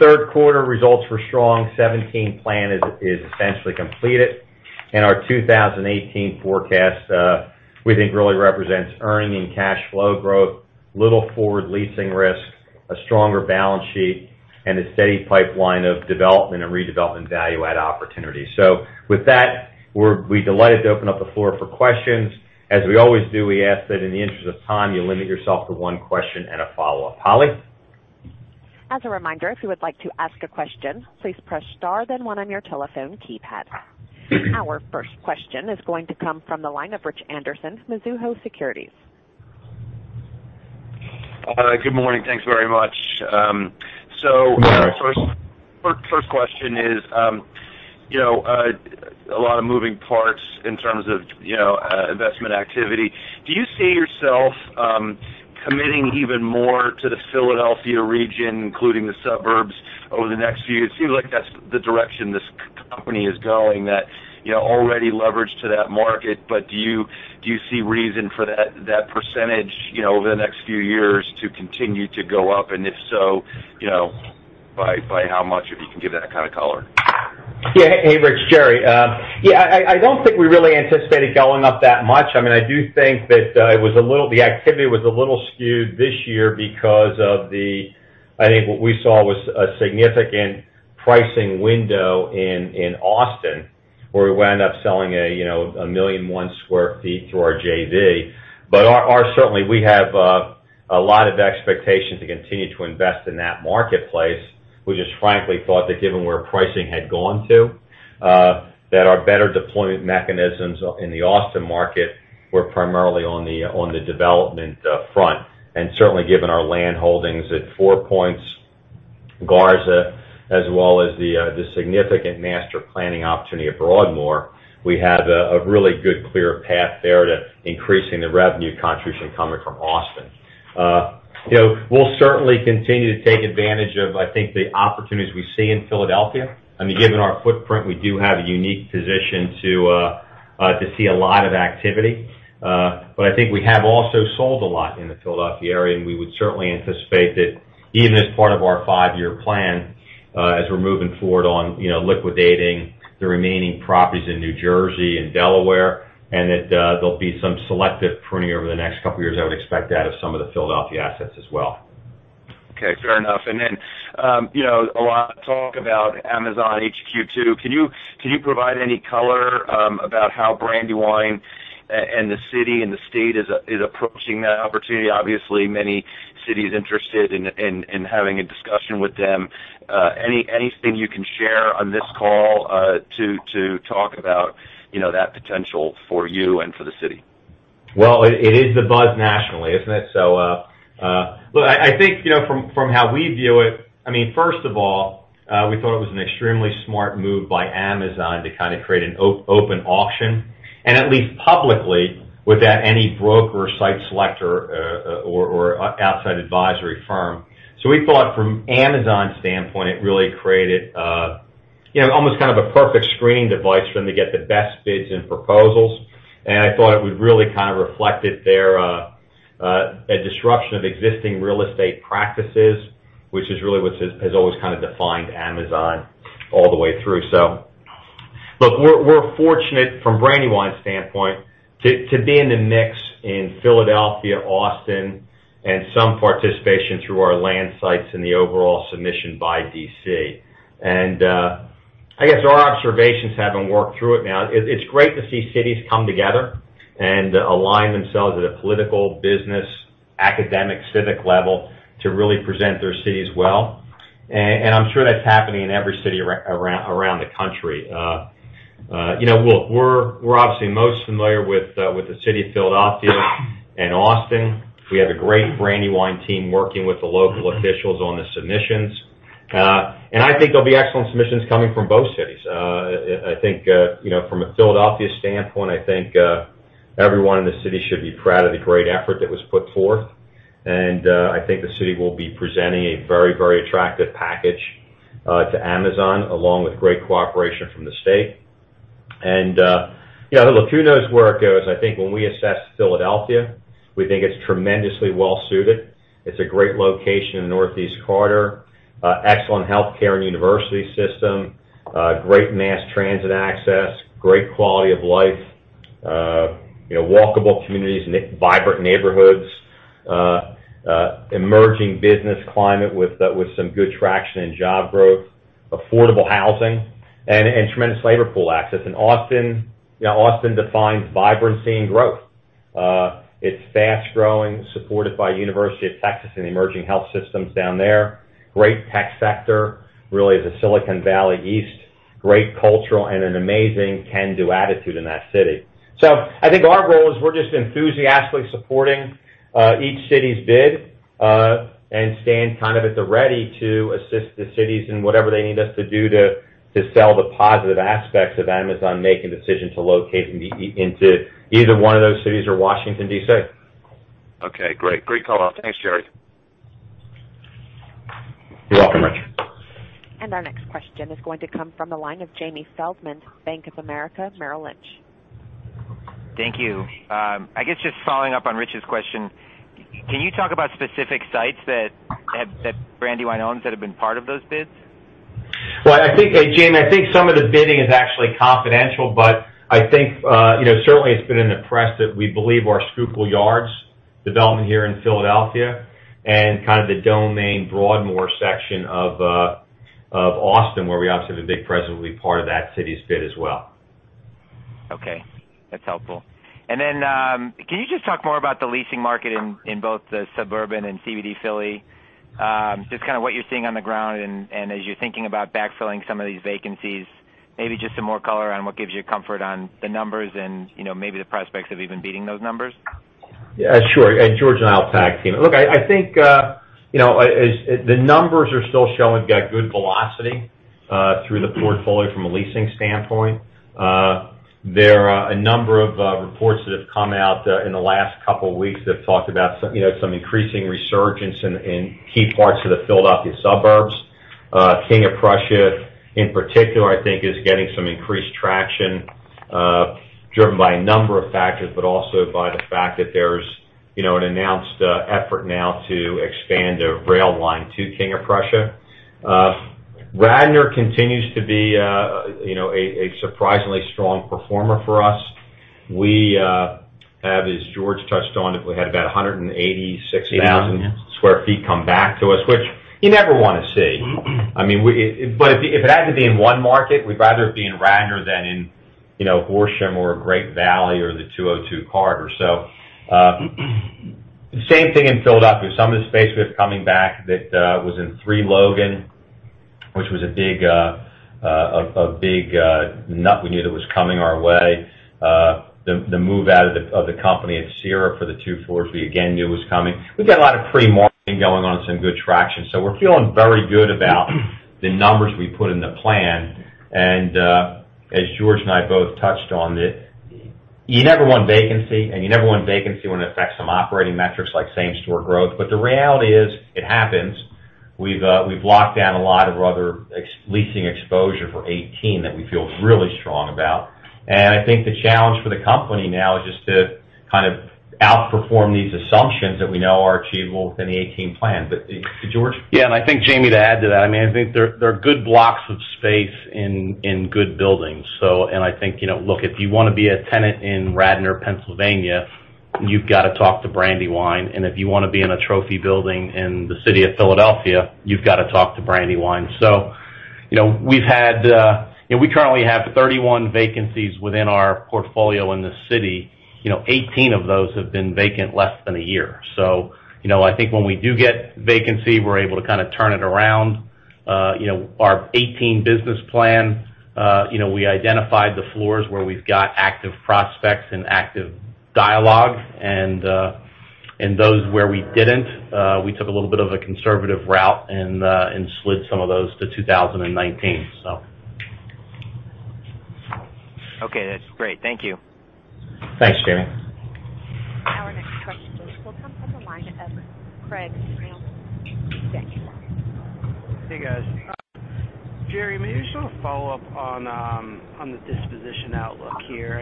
third quarter results were strong. 2017 plan is essentially completed. Our 2018 forecast, we think really represents earning and cash flow growth, little forward leasing risk, a stronger balance sheet, and a steady pipeline of development and redevelopment value-add opportunities. With that, we're delighted to open up the floor for questions. As we always do, we ask that in the interest of time, you limit yourself to one question and a follow-up. Holly? As a reminder, if you would like to ask a question, please press star then one on your telephone keypad. Our first question is going to come from the line of Rich Anderson from Mizuho Securities. Good morning. Thanks very much. First question is, a lot of moving parts in terms of investment activity. Do you see yourself committing even more to the Philadelphia region, including the suburbs over the next few years? It seems like that's the direction this company is going, that already leveraged to that market, but do you see reason for that percentage, over the next few years to continue to go up, and if so, by how much? If you can give that kind of color. Hey, Rich, Gerry. I don't think we really anticipated going up that much. I do think that the activity was a little skewed this year because of what we saw was a significant pricing window in Austin, where we wound up selling 1,000,001 sq ft through our JV. Certainly, we have a lot of expectation to continue to invest in that marketplace. We just frankly thought that given where pricing had gone to, that our better deployment mechanisms in the Austin market were primarily on the development front. Certainly, given our land holdings at Four Points, Garza Ranch, as well as the significant master planning opportunity at Broadmoor, we have a really good, clear path there to increasing the revenue contribution coming from Austin. We'll certainly continue to take advantage of the opportunities we see in Philadelphia. Given our footprint, we do have a unique position to see a lot of activity. I think we have also sold a lot in the Philadelphia area, and we would certainly anticipate that even as part of our 5-year plan, as we're moving forward on liquidating the remaining properties in New Jersey and Delaware, that there'll be some selective pruning over the next couple of years. I would expect that of some of the Philadelphia assets as well. Okay. Fair enough. Then, a lot of talk about Amazon HQ2. Can you provide any color about how Brandywine and the city and the state is approaching that opportunity? Obviously, many cities interested in having a discussion with them. Anything you can share on this call to talk about that potential for you and for the city? It is the buzz nationally, isn't it? Look, I think, from how we view it, first of all, we thought it was an extremely smart move by Amazon to kind of create an open auction, and at least publicly, without any broker or site selector or outside advisory firm. We thought from Amazon's standpoint, it really created almost kind of a perfect screening device for them to get the best bids and proposals. I thought it would really kind of reflect their disruption of existing real estate practices, which is really what has always kind of defined Amazon all the way through. Look, we're fortunate from Brandywine's standpoint to be in the mix in Philadelphia, Austin, and some participation through our land sites in the overall submission by D.C. I guess our observations having worked through it now, it's great to see cities come together and align themselves at a political, business, academic, civic level to really present their cities well. I'm sure that's happening in every city around the country. We're obviously most familiar with the city of Philadelphia and Austin. We have a great Brandywine team working with the local officials on the submissions. I think there'll be excellent submissions coming from both cities. I think from a Philadelphia standpoint, I think everyone in the city should be proud of the great effort that was put forth. I think the city will be presenting a very attractive package to Amazon, along with great cooperation from the state. Who knows where it goes. I think when we assess Philadelphia, we think it's tremendously well-suited. It's a great location in the Northeast Corridor, excellent healthcare and university system, great mass transit access, great quality of life. Walkable communities, vibrant neighborhoods, emerging business climate with some good traction in job growth, affordable housing, and tremendous labor pool access. Austin defines vibrancy and growth. It's fast-growing, supported by University of Texas and the emerging health systems down there. Great tech sector, really is a Silicon Valley East, great cultural and an amazing can-do attitude in that city. I think our role is we're just enthusiastically supporting each city's bid, and stand kind of at the ready to assist the cities in whatever they need us to do to sell the positive aspects of Amazon making decisions to locate into either one of those cities or Washington, D.C. Okay, great. Great call-out. Thanks, Jerry. You're welcome, Rich. Our next question is going to come from the line of Jamie Feldman, Bank of America Merrill Lynch. Thank you. I guess just following up on Rich's question, can you talk about specific sites that Brandywine owns that have been part of those bids? Well, I think, Jamie, I think some of the bidding is actually confidential, but I think certainly it's been in the press that we believe our Schuylkill Yards development here in Philadelphia and kind of the Domain Broadmoor section of Austin, where we obviously have a big presence, will be part of that city's bid as well. Okay, that's helpful. Then, can you just talk more about the leasing market in both the suburban and CBD Philly? Just kind of what you're seeing on the ground and as you're thinking about backfilling some of these vacancies, maybe just some more color around what gives you comfort on the numbers and maybe the prospects of even beating those numbers. Yeah, sure. George Johnstone and I will tag-team it. Look, I think, the numbers are still showing we've got good velocity through the portfolio from a leasing standpoint. There are a number of reports that have come out in the last couple of weeks that have talked about some increasing resurgence in key parts of the Philadelphia suburbs. King of Prussia in particular, I think is getting some increased traction, driven by a number of factors, but also by the fact that there's an announced effort now to expand a rail line to King of Prussia. Radnor continues to be a surprisingly strong performer for us. We have, as George Johnstone touched on, we had about 186,000 square feet come back to us, which you never want to see. If it had to be in one market, we'd rather it be in Radnor than in Horsham or Great Valley or the 202 corridor. Same thing in Philadelphia. Some of the space we have coming back that was in 3 Logan, which was a big nut we knew that was coming our way. The move out of the company at Cira for the two floors, we again knew was coming. We've got a lot of pre-marketing going on and some good traction. We're feeling very good about the numbers we put in the plan. As George Johnstone and I both touched on, you never want vacancy, and you never want vacancy when it affects some operating metrics like same-store growth. The reality is, it happens. We've locked down a lot of other leasing exposure for 2018 that we feel really strong about. I think the challenge for the company now is just to kind of outperform these assumptions that we know are achievable within the 2018 plan. George Johnstone? Yeah, I think, Jamie Feldman, to add to that, I think there are good blocks of space in good buildings. I think, look, if you want to be a tenant in Radnor, Pennsylvania, you've got to talk to Brandywine, and if you want to be in a trophy building in the city of Philadelphia, you've got to talk to Brandywine. We currently have 31 vacancies within our portfolio in the city. 18 of those have been vacant less than a year. I think when we do get vacancy, we're able to kind of turn it around. Our 2018 business plan, we identified the floors where we've got active prospects and active dialogue, and those where we didn't, we took a little bit of a conservative route and slid some of those to 2019. Okay, that's great. Thank you. Thanks, Jamie. Our next question will come from the line of Craig with Bank of America. Hey, guys. Jerry, maybe just want to follow up on the disposition outlook here.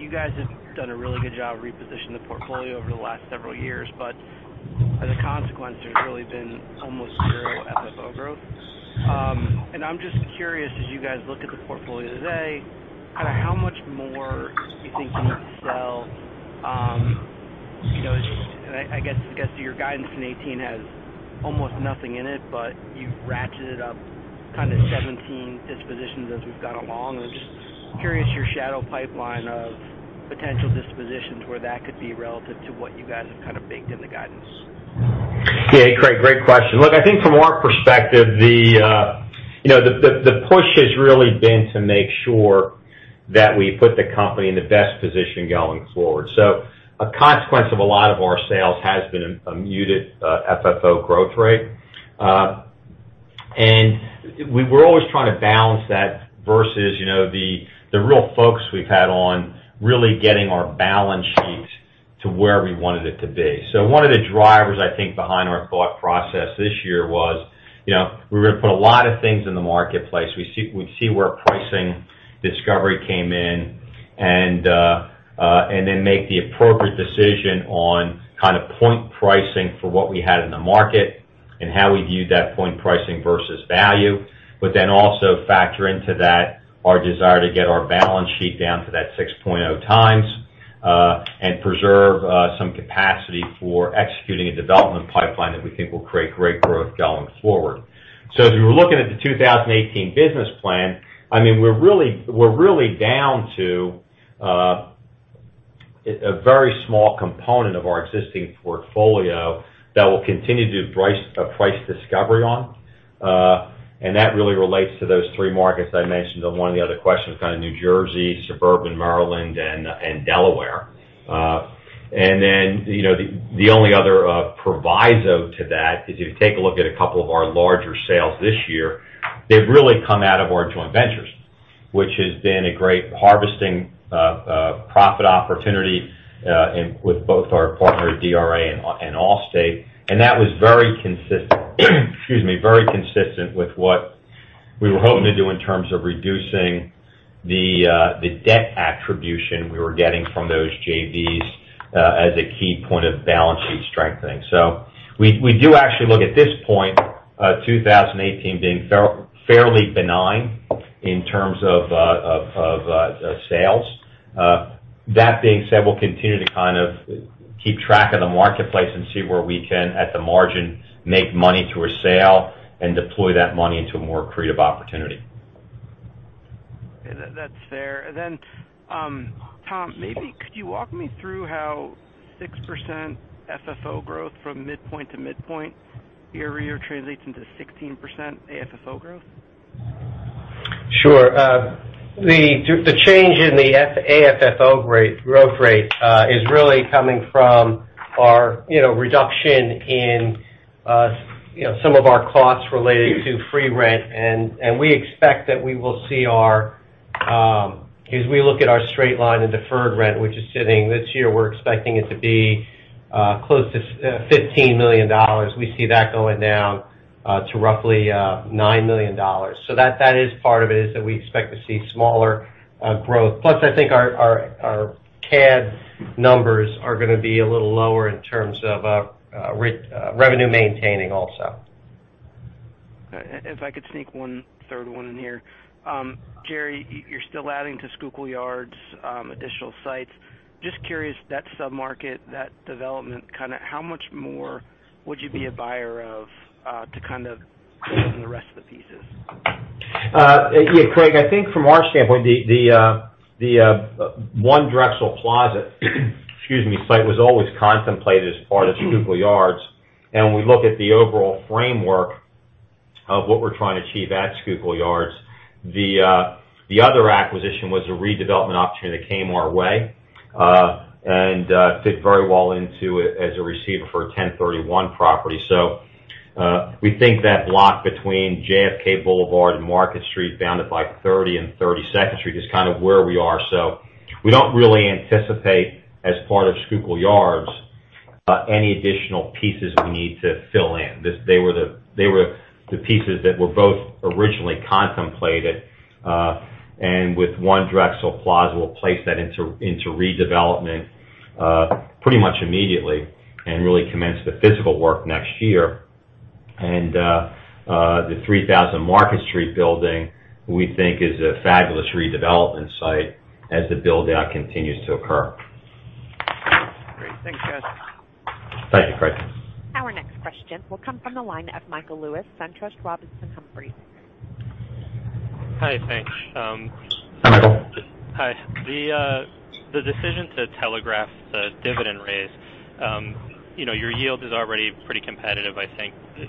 You guys have done a really good job repositioning the portfolio over the last several years, but as a consequence, there's really been almost zero FFO growth. I'm just curious, as you guys look at the portfolio today, kind of how much more you think you need to sell? I guess your guidance in 2018 has almost nothing in it, but you ratcheted up kind of 2017 dispositions as we've gone along. I'm just curious your shadow pipeline of potential dispositions, where that could be relative to what you guys have kind of baked in the guidance. Yeah, Craig, great question. Look, I think from our perspective, the push has really been to make sure that we put the company in the best position going forward. A consequence of a lot of our sales has been a muted FFO growth rate. We're always trying to balance that versus the real focus we've had on really getting our balance sheet to where we wanted it to be. One of the drivers, I think, behind our thought process this year was, we were going to put a lot of things in the marketplace. We'd see where pricing discovery came in, and then make the appropriate decision on kind of point pricing for what we had in the market, and how we viewed that point pricing versus value. Also factor into that our desire to get our balance sheet down to that 6.0 times, and preserve some capacity for executing a development pipeline that we think will create great growth going forward. As we were looking at the 2018 business plan, we're really down to a very small component of our existing portfolio that we'll continue to do price discovery on. That really relates to those three markets I mentioned on one of the other questions, kind of New Jersey, suburban Maryland, and Delaware. The only other proviso to that is if you take a look at a couple of our larger sales this year, they've really come out of our joint ventures. Which has been a great harvesting profit opportunity with both our partner at DRA and Allstate. That was very consistent with what We were hoping to do in terms of reducing the debt attribution we were getting from those JVs as a key point of balance sheet strengthening. We do actually look at this point, 2018 being fairly benign in terms of sales. That being said, we'll continue to kind of keep track of the marketplace and see where we can, at the margin, make money through a sale and deploy that money into a more accretive opportunity. That's fair. Tom, maybe could you walk me through how 6% FFO growth from midpoint to midpoint year-over-year translates into 16% AFFO growth? Sure. The change in the AFFO growth rate is really coming from our reduction in some of our costs related to free rent. As we look at our straight line in deferred rent, which is sitting this year, we're expecting it to be close to $15 million. We see that going down to roughly $9 million. That is part of it, is that we expect to see smaller growth. Plus, I think our CAD numbers are going to be a little lower in terms of revenue maintaining also. If I could sneak one third one in here. Jerry, you're still adding to Schuylkill Yards, additional sites. Just curious, that sub-market, that development kind of how much more would you be a buyer of, to kind of fit in the rest of the pieces? Yeah, Craig, I think from our standpoint, the One Drexel Plaza site was always contemplated as part of Schuylkill Yards. When we look at the overall framework of what we're trying to achieve at Schuylkill Yards, the other acquisition was a redevelopment opportunity that came our way, and fit very well into it as a receiver for a 1031 property. We think that block between JFK Boulevard and Market Street, bounded by 30 and 32nd Street, is kind of where we are. We don't really anticipate, as part of Schuylkill Yards, any additional pieces we need to fill in. They were the pieces that were both originally contemplated. With One Drexel Plaza, we'll place that into redevelopment pretty much immediately and really commence the physical work next year. The 3000 Market Street building, we think is a fabulous redevelopment site as the build-out continues to occur. Great. Thanks, guys. Thank you, Craig. Our next question will come from the line of Michael Lewis, SunTrust Robinson Humphrey. Hi, thanks. Hi, Michael. Hi. The decision to telegraph the dividend raise, your yield is already pretty competitive, I think. Is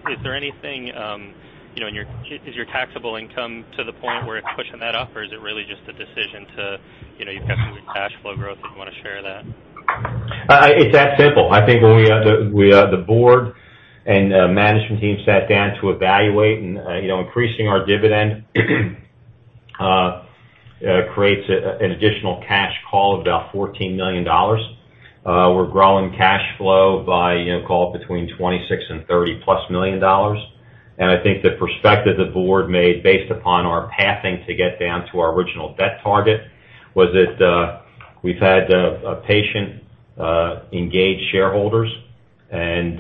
your taxable income to the point where it's pushing that up, or is it really just a decision to, you've got some good cash flow growth, if you want to share that? It's that simple. I think when the board and management team sat down to evaluate, increasing our dividend creates an additional cash call of about $14 million. We're growing cash flow by call it between $26 million and $30 million-plus. I think the perspective the board made based upon our pathing to get down to our original debt target, was that we've had patient, engaged shareholders, and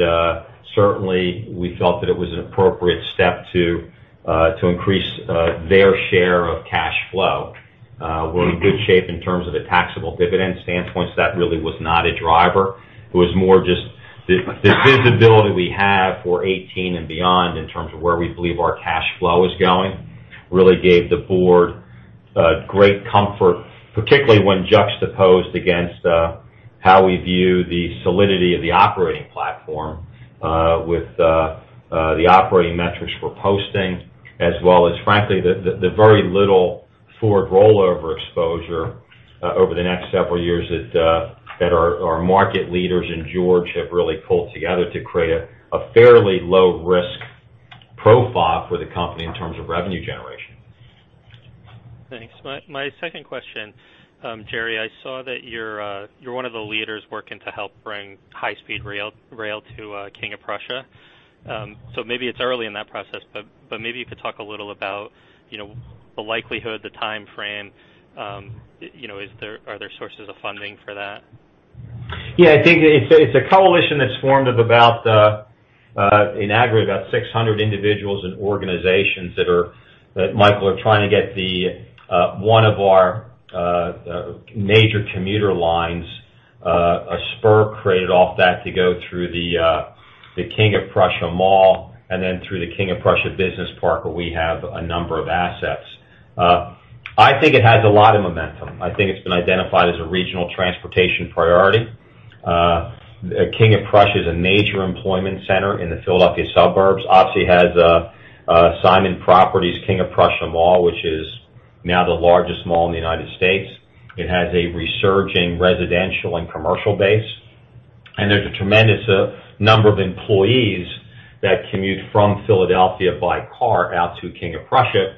certainly, we felt that it was an appropriate step to increase their share of cash flow. We're in good shape in terms of the taxable dividend standpoint, that really was not a driver. It was more just the visibility we have for 2018 and beyond in terms of where we believe our cash flow is going, really gave the board great comfort, particularly when juxtaposed against how we view the solidity of the operating platform, with the operating metrics we're posting, as well as frankly, the very little forward rollover exposure over the next several years that our market leaders in George have really pulled together to create a fairly low-risk profile for the company in terms of revenue generation. Thanks. My second question, Jerry, I saw that you're one of the leaders working to help bring high-speed rail to King of Prussia. Maybe it's early in that process, but maybe you could talk a little about the likelihood, the timeframe. Are there sources of funding for that? Yeah, I think it's a coalition that's formed of about, in aggregate, about 600 individuals and organizations that, Michael, are trying to get one of our major commuter lines, a spur created off that to go through the King of Prussia Mall, and then through the King of Prussia Business Park, where we have a number of assets. I think it has a lot of momentum. I think it's been identified as a regional transportation priority. King of Prussia is a major employment center in the Philadelphia suburbs. Obviously, it has Simon Properties' King of Prussia Mall, which is now the largest mall in the United States. It has a resurging residential and commercial base, there's a tremendous number of employees that commute from Philadelphia by car out to King of Prussia.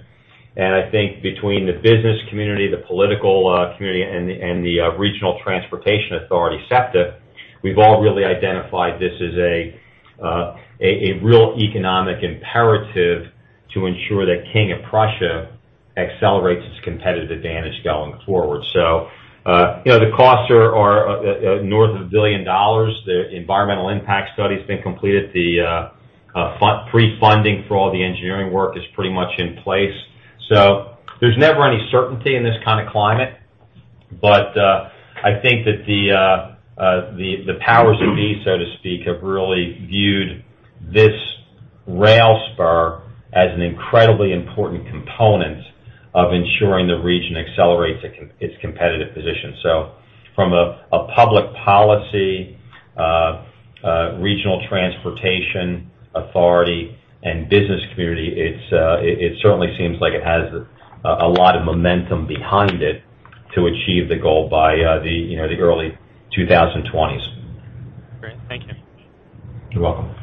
I think between the business community, the political community, and the Regional Transportation Authority, SEPTA, we've all really identified this as a real economic imperative to ensure that King of Prussia accelerates its competitive advantage going forward. The costs are north of $1 billion. The environmental impact study's been completed. The pre-funding for all the engineering work is pretty much in place. There's never any certainty in this kind of climate. I think that the powers that be, so to speak, have really viewed this rail spur as an incredibly important component of ensuring the region accelerates its competitive position. From a public policy, regional transportation authority, and business community, it certainly seems like it has a lot of momentum behind it to achieve the goal by the early 2020s. Great. Thank you. You're welcome.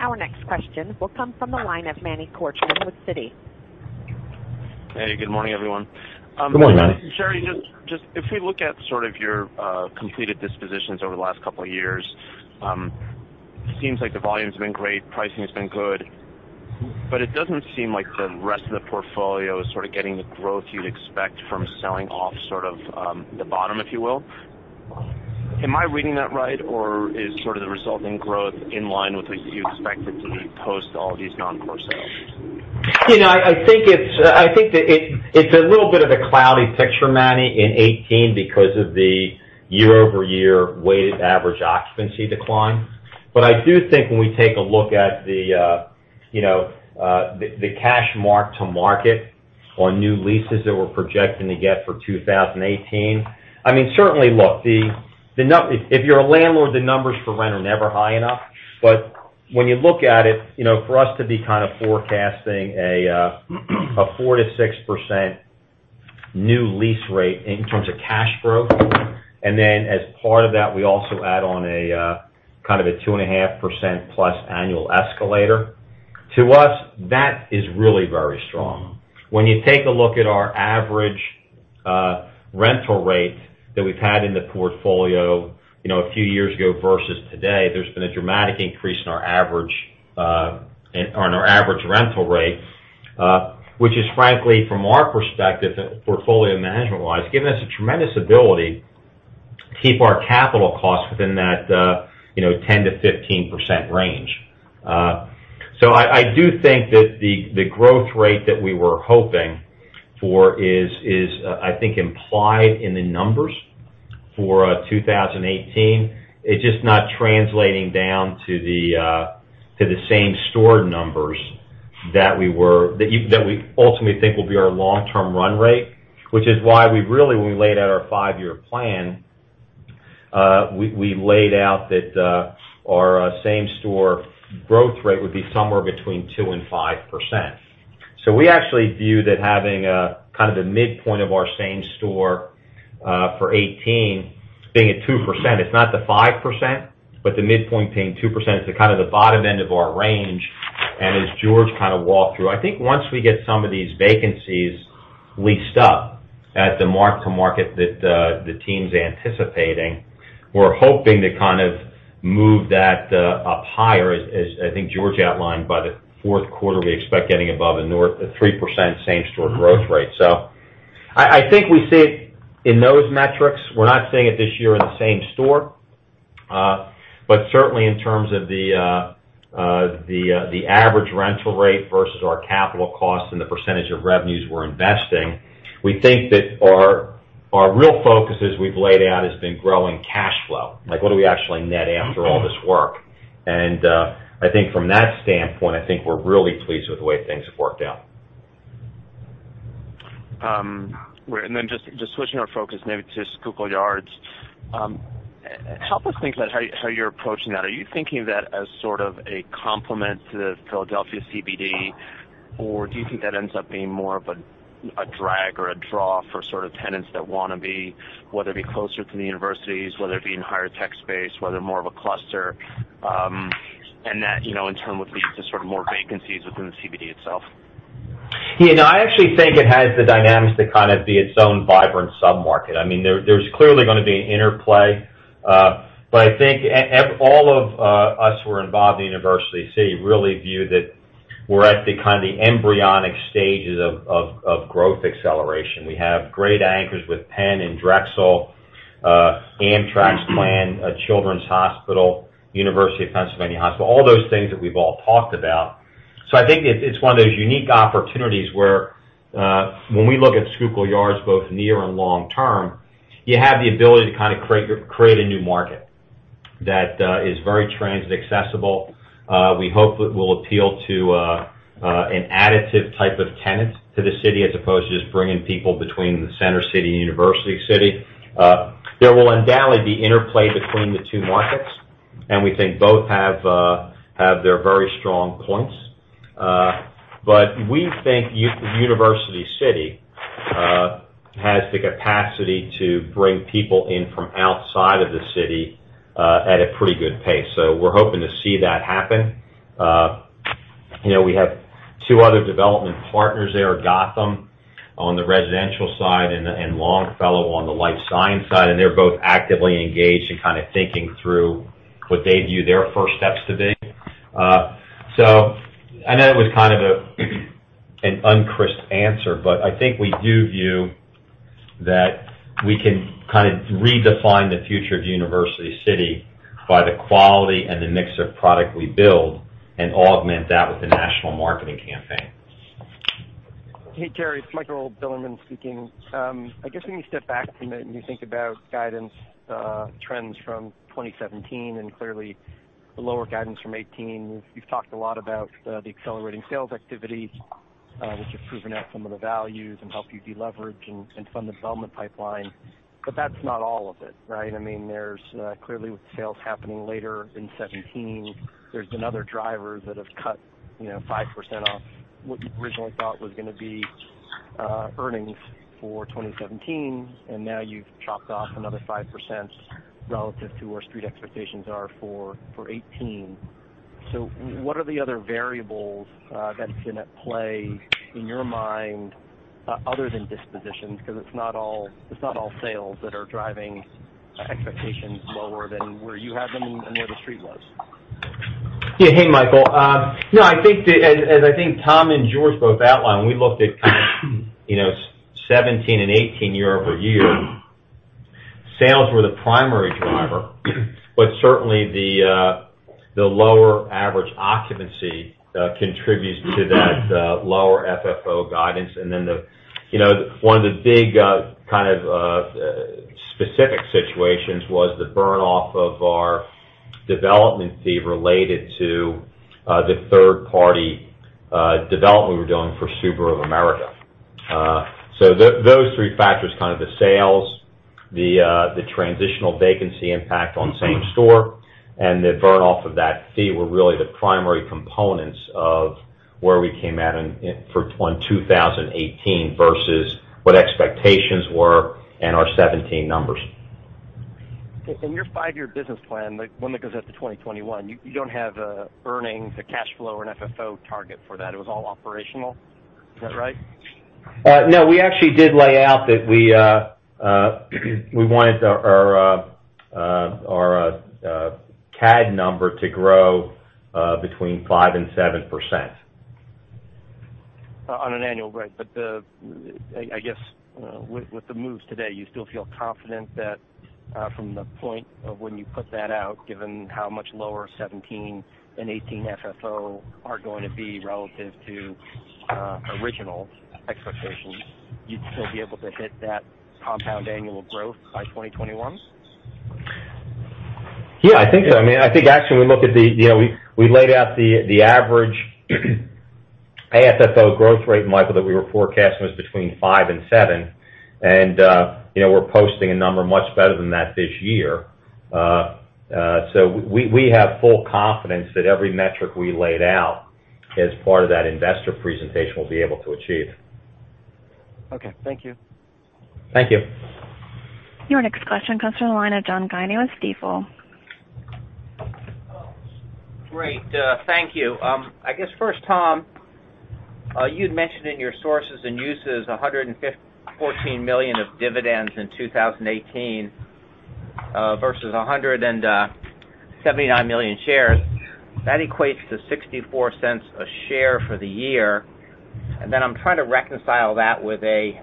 Our next question will come from the line of Manny Korchman with Citi. Hey, good morning, everyone. Good morning, Manny. Jerry, if we look at sort of your completed dispositions over the last couple of years, it seems like the volume's been great, pricing has been good. It doesn't seem like the rest of the portfolio is sort of getting the growth you'd expect from selling off sort of the bottom, if you will. Am I reading that right? Is sort of the resulting growth in line with what you expected to be post all of these non-core sales? I think that it's a little bit of a cloudy picture, Manny, in 2018 because of the year-over-year weighted average occupancy decline. I do think when we take a look at the cash mark-to-market on new leases that we're projecting to get for 2018, certainly, look, if you're a landlord, the numbers for rent are never high enough. When you look at it, for us to be kind of forecasting a 4%-6% new lease rate in terms of cash flow, and then as part of that, we also add on a kind of a 2.5%+ annual escalator. To us, that is really very strong. When you take a look at our average rental rate that we've had in the portfolio a few years ago versus today, there's been a dramatic increase on our average rental rate. Which is frankly, from our perspective, portfolio management-wise, given us a tremendous ability to keep our capital costs within that 10%-15% range. I do think that the growth rate that we were hoping for is, I think, implied in the numbers for 2018. It's just not translating down to the same store numbers that we ultimately think will be our long-term run rate, which is why we really, when we laid out our five-year plan, we laid out that our same store growth rate would be somewhere between 2% and 5%. We actually view that having kind of the midpoint of our same store for 2018 being at 2%, it's not the 5%, but the midpoint being 2%, it's kind of the bottom end of our range, and as George kind of walked through. I think once we get some of these vacancies leased up at the mark-to-market that the team's anticipating, we're hoping to kind of move that up higher. As I think George outlined, by the fourth quarter, we expect getting above a 3% same store growth rate. I think we see it in those metrics. We're not seeing it this year in the same store. Certainly, in terms of the average rental rate versus our capital costs and the percentage of revenues we're investing, we think that our real focus, as we've laid out, has been growing cash flow. Like what do we actually net after all this work? I think from that standpoint, I think we're really pleased with the way things have worked out. Just switching our focus maybe to Schuylkill Yards. Help us think about how you're approaching that. Are you thinking of that as sort of a complement to the Philadelphia CBD, or do you think that ends up being more of a drag or a draw for sort of tenants that want to be, whether it be closer to the universities, whether it be in higher tech space, whether more of a cluster, and that in turn would lead to sort of more vacancies within the CBD itself? I actually think it has the dynamics to kind of be its own vibrant sub-market. There's clearly going to be an interplay. I think all of us who are involved in University City really view that we're at the kind of the embryonic stages of growth acceleration. We have great anchors with Penn and Drexel, Amtrak's plan, Children's Hospital, University of Pennsylvania Hospital, all those things that we've all talked about. I think it's one of those unique opportunities where, when we look at Schuylkill Yards, both near and long-term, you have the ability to kind of create a new market that is very transit accessible. We hope it will appeal to an additive type of tenant to the city, as opposed to just bringing people between the Center City and University City. There will undoubtedly be interplay between the two markets, and we think both have their very strong points. We think University City has the capacity to bring people in from outside of the city at a pretty good pace. We're hoping to see that happen. We have two other development partners there, Gotham on the residential side and Longfellow on the life science side, and they're both actively engaged and kind of thinking through what they view their first steps to be. I know it was kind of an un-crisp answer, but I think we do view that we can kind of redefine the future of University City by the quality and the mix of product we build and augment that with a national marketing campaign. Hey, Jerry, it's Michael Bilerman speaking. I guess when you step back from it and you think about guidance trends from 2017, and clearly the lower guidance from 2018, you've talked a lot about the accelerating sales activity, which has proven out some of the values and helped you deleverage and fund the development pipeline. That's not all of it, right? There's clearly with sales happening later in 2017, there's been other drivers that have cut 5% off what you originally thought was going to be earnings for 2017, and now you've chopped off another 5% relative to where Street expectations are for 2018. What are the other variables that's in at play in your mind other than dispositions? Because it's not all sales that are driving expectations lower than where you had them and where the Street was. Hey, Michael. No, as I think Tom and George both outlined, when we looked at kind of 2017 and 2018 year-over-year, sales were the primary driver. Certainly, the lower average occupancy contributes to that lower FFO guidance. One of the big kind of specific situations was the burn-off of our development fee related to the third-party development we were doing for Subaru of America. Those three factors, kind of the sales, the transitional vacancy impact on same store, and the burn-off of that fee, were really the primary components of where we came at for 2018 versus what expectations were and our 2017 numbers. In your five-year business plan, the one that goes out to 2021, you don't have earnings or cash flow or an FFO target for that. It was all operational. Is that right? No, we actually did lay out that we wanted our CAD number to grow between 5% and 7%. On an annual rate. I guess with the moves today, you still feel confident that from the point of when you put that out, given how much lower 2017 and 2018 FFO are going to be relative to original expectations, you'd still be able to hit that compound annual growth by 2021? Yeah, I think so. I think actually, we laid out the average FFO growth rate, Michael, that we were forecasting was between five and seven, and we're posting a number much better than that this year. We have full confidence that every metric we laid out as part of that investor presentation, we'll be able to achieve. Okay. Thank you. Thank you. Your next question comes from the line of John Guinee with Stifel. Great. Thank you. I guess first, Tom, you had mentioned in your sources and uses, $114 million of dividends in 2018 versus 179 million shares. That equates to $0.64 a share for the year. I'm trying to reconcile that with a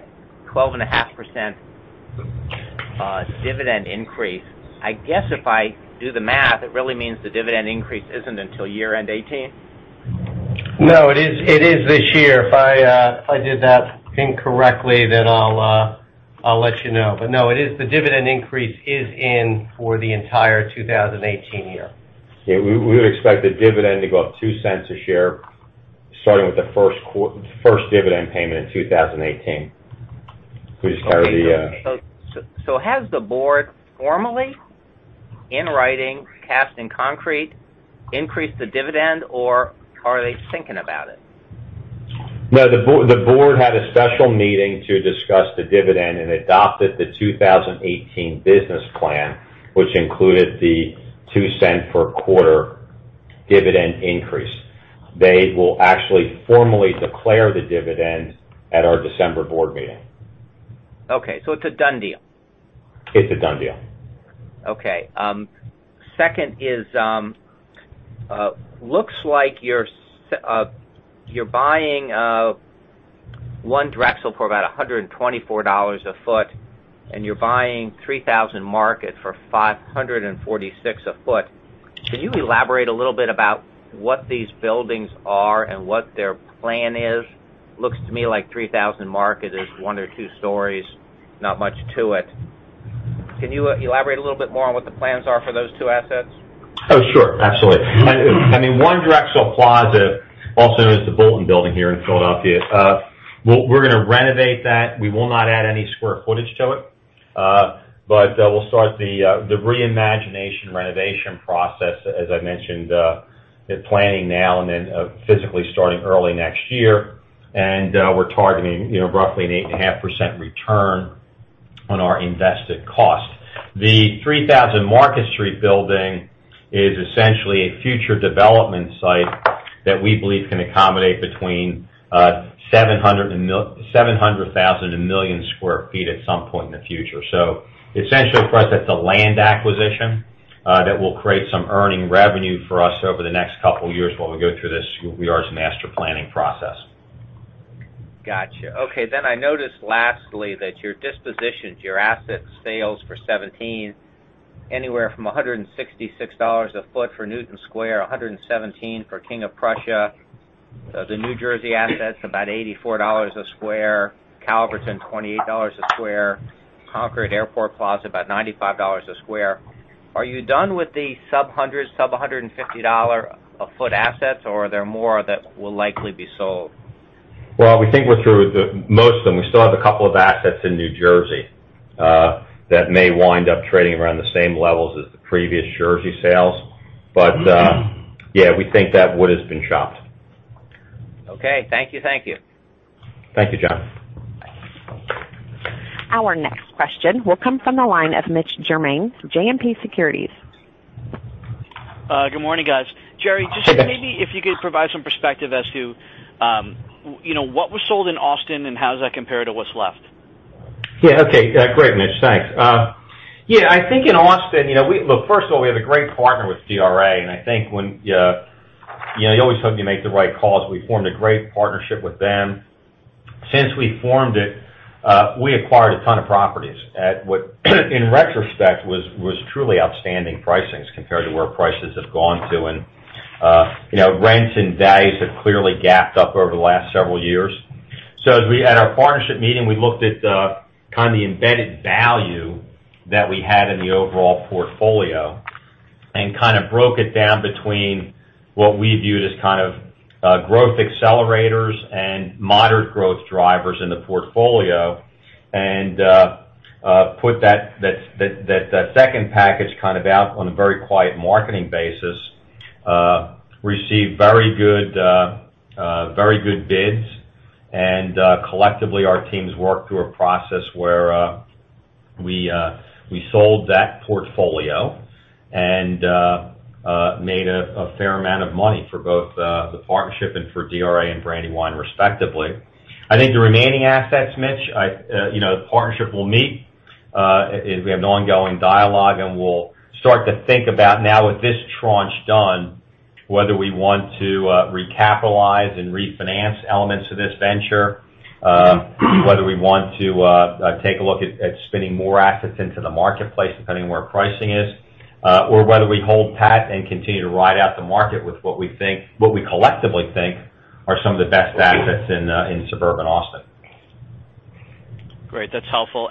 12.5% dividend increase. I guess if I do the math, it really means the dividend increase isn't until year-end 2018. No, it is this year. If I did that incorrectly, I'll let you know. No, the dividend increase is in for the entire 2018 year. Yeah, we would expect the dividend to go up $0.02 a share, starting with the first dividend payment in 2018. Has the board formally, in writing, cast in concrete, increased the dividend, or are they thinking about it? The board had a special meeting to discuss the dividend and adopted the 2018 business plan, which included the $0.02 per quarter dividend increase. They will actually formally declare the dividend at our December board meeting. It's a done deal. It's a done deal. Second is, looks like you're buying One Drexel for about $124 a foot, and you're buying 3000 Market for $546 a foot. Can you elaborate a little bit about what these buildings are and what their plan is? Looks to me like 3000 Market is one or two stories, not much to it. Can you elaborate a little bit more on what the plans are for those two assets? Oh, sure. Absolutely. One Drexel Plaza, also known as the Bulletin Building here in Philadelphia. We're going to renovate that. We will not add any square footage to it. We'll start the reimagination renovation process, as I mentioned. They're planning now. Then physically starting early next year, and we're targeting roughly an 8.5% return on our invested cost. The 3000 Market Street building is essentially a future development site that we believe can accommodate between 700,000 and 1 million square feet at some point in the future. Essentially, for us, that's a land acquisition that will create some earning revenue for us over the next couple of years while we go through this UR master planning process. Got you. Okay, I noticed lastly that your dispositions, your asset sales for 2017, anywhere from $166 a foot for Newtown Square, $117 for King of Prussia. The New Jersey assets, about $84 a square. Calverton, $28 a square. Concord Airport Plaza, about $95 a square. Are you done with the sub-$100, sub-$150 a foot assets, or are there more that will likely be sold? We think we're through with the most of them. We still have a couple of assets in New Jersey that may wind up trading around the same levels as the previous Jersey sales. Yeah, we think that wood has been chopped. Okay. Thank you. Thank you, John. Bye. Our next question will come from the line of Mitch Germain from JMP Securities. Good morning, guys. Yes. Jerry, just maybe if you could provide some perspective as to what was sold in Austin and how does that compare to what's left? Okay. Great, Mitch. Thanks. I think in Austin, look, first of all, we have a great partner with DRA, and I think when you always hope you make the right calls. We formed a great partnership with them. Since we formed it, we acquired a ton of properties at what, in retrospect, was truly outstanding pricings compared to where prices have gone to, and rents and values have clearly gapped up over the last several years. As we had our partnership meeting, we looked at the kind of embedded value that we had in the overall portfolio and kind of broke it down between what we viewed as kind of growth accelerators and moderate growth drivers in the portfolio and put that second package kind of out on a very quiet marketing basis. Received very good bids. Collectively, our teams worked through a process where we sold that portfolio and made a fair amount of money for both the partnership and for DRA and Brandywine, respectively. I think the remaining assets, Mitch, the partnership will meet. We have an ongoing dialogue, and we'll start to think about now with this tranche done, whether we want to recapitalize and refinance elements of this venture, whether we want to take a look at spinning more assets into the marketplace, depending on where pricing is, or whether we hold pat and continue to ride out the market with what we collectively think are some of the best assets in suburban Austin. Great. That's helpful.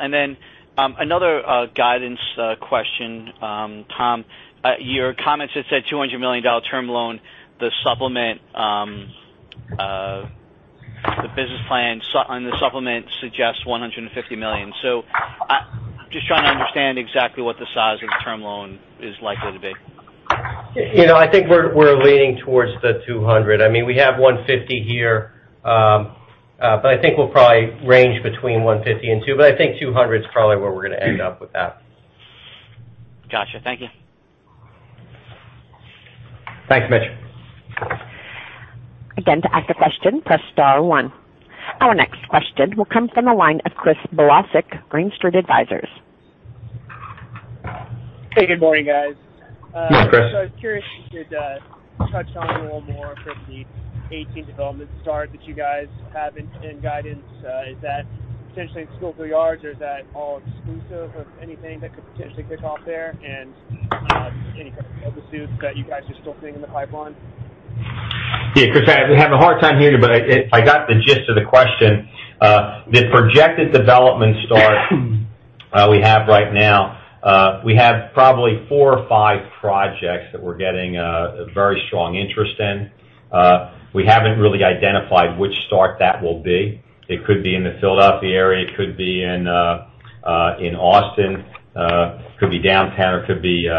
Another guidance question. Tom, your comments had said $200 million term loan. The business plan on the supplement suggests $150 million. Just trying to understand exactly what the size of the term loan is likely to be. I think we're leaning towards the $200. We have $150 here. I think we'll probably range between $150 and $200. I think $200 is probably where we're going to end up with that. Got you. Thank you. Thanks, Mitch. Again, to ask a question, press star one. Our next question will come from the line of Chris Bolasik, Green Street Advisors. Hey, good morning, guys. Hi, Chris. I was curious if you could touch on a little more from the 2018 development start that you guys have in guidance. Is that potentially in Schuylkill Yards, or is that all exclusive of anything that could potentially kick off there? Any kind of other sites that you guys are still seeing in the pipeline? Yeah, Chris, I'm having a hard time hearing you, but I got the gist of the question. The projected development start we have right now, we have probably four or five projects that we're getting a very strong interest in. We haven't really identified which start that will be. It could be in the Philadelphia area, it could be in Austin, could be downtown, or could be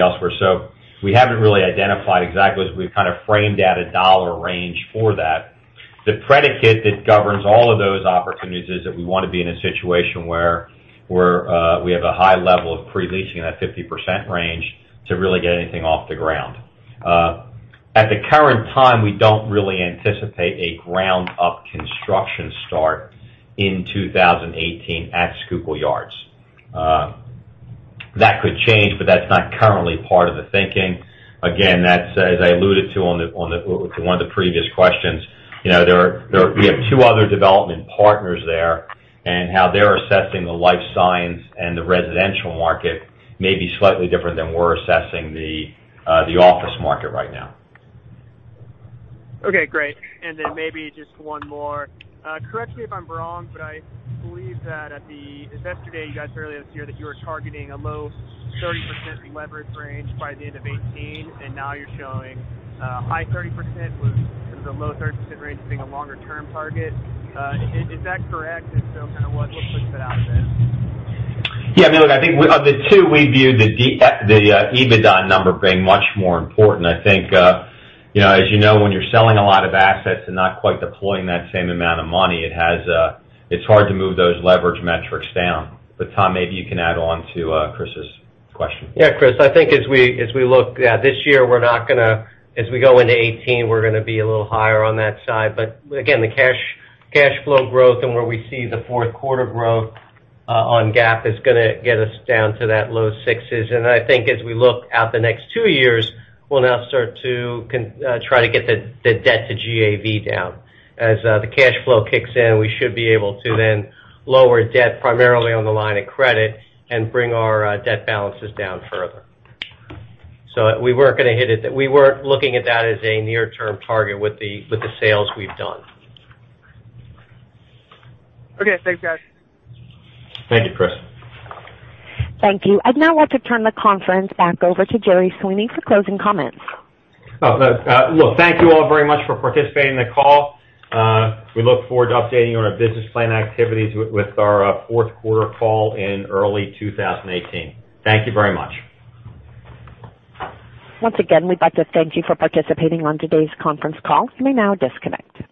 elsewhere. We haven't really identified exactly as we've kind of framed out a dollar range for that. The predicate that governs all of those opportunities is that we want to be in a situation where we have a high level of pre-leasing in that 50% range to really get anything off the ground. At the current time, we don't really anticipate a ground-up construction start in 2018 at Schuylkill Yards. That could change, but that's not currently part of the thinking. Again, as I alluded to on one of the previous questions, we have two other development partners there, and how they're assessing the life science and the residential market may be slightly different than we're assessing the office market right now. Okay, great. Then maybe just one more. Correct me if I'm wrong, I believe earlier this year that you were targeting a low 30% leverage range by the end of 2018, and now you're showing a high 30% with the low 30% range being a longer-term target. Is that correct? If so, what pushed it out a bit? Yeah, look, I think of the two, we view the EBITDA number being much more important. I think as you know, when you're selling a lot of assets and not quite deploying that same amount of money, it's hard to move those leverage metrics down. Tom, maybe you can add on to Chris's question. Yeah, Chris, I think as we look, this year, as we go into 2018, we're going to be a little higher on that side. Again, the cash flow growth and where we see the fourth quarter growth on GAAP is going to get us down to that low sixes. I think as we look out the next two years, we'll now start to try to get the debt to GAV down. As the cash flow kicks in, we should be able to then lower debt primarily on the line of credit and bring our debt balances down further. We weren't looking at that as a near-term target with the sales we've done. Okay. Thanks, guys. Thank you, Chris. Thank you. I'd now like to turn the conference back over to Gerry Sweeney for closing comments. Look, thank you all very much for participating in the call. We look forward to updating you on our business plan activities with our fourth-quarter call in early 2018. Thank you very much. Once again, we'd like to thank you for participating on today's conference call. You may now disconnect.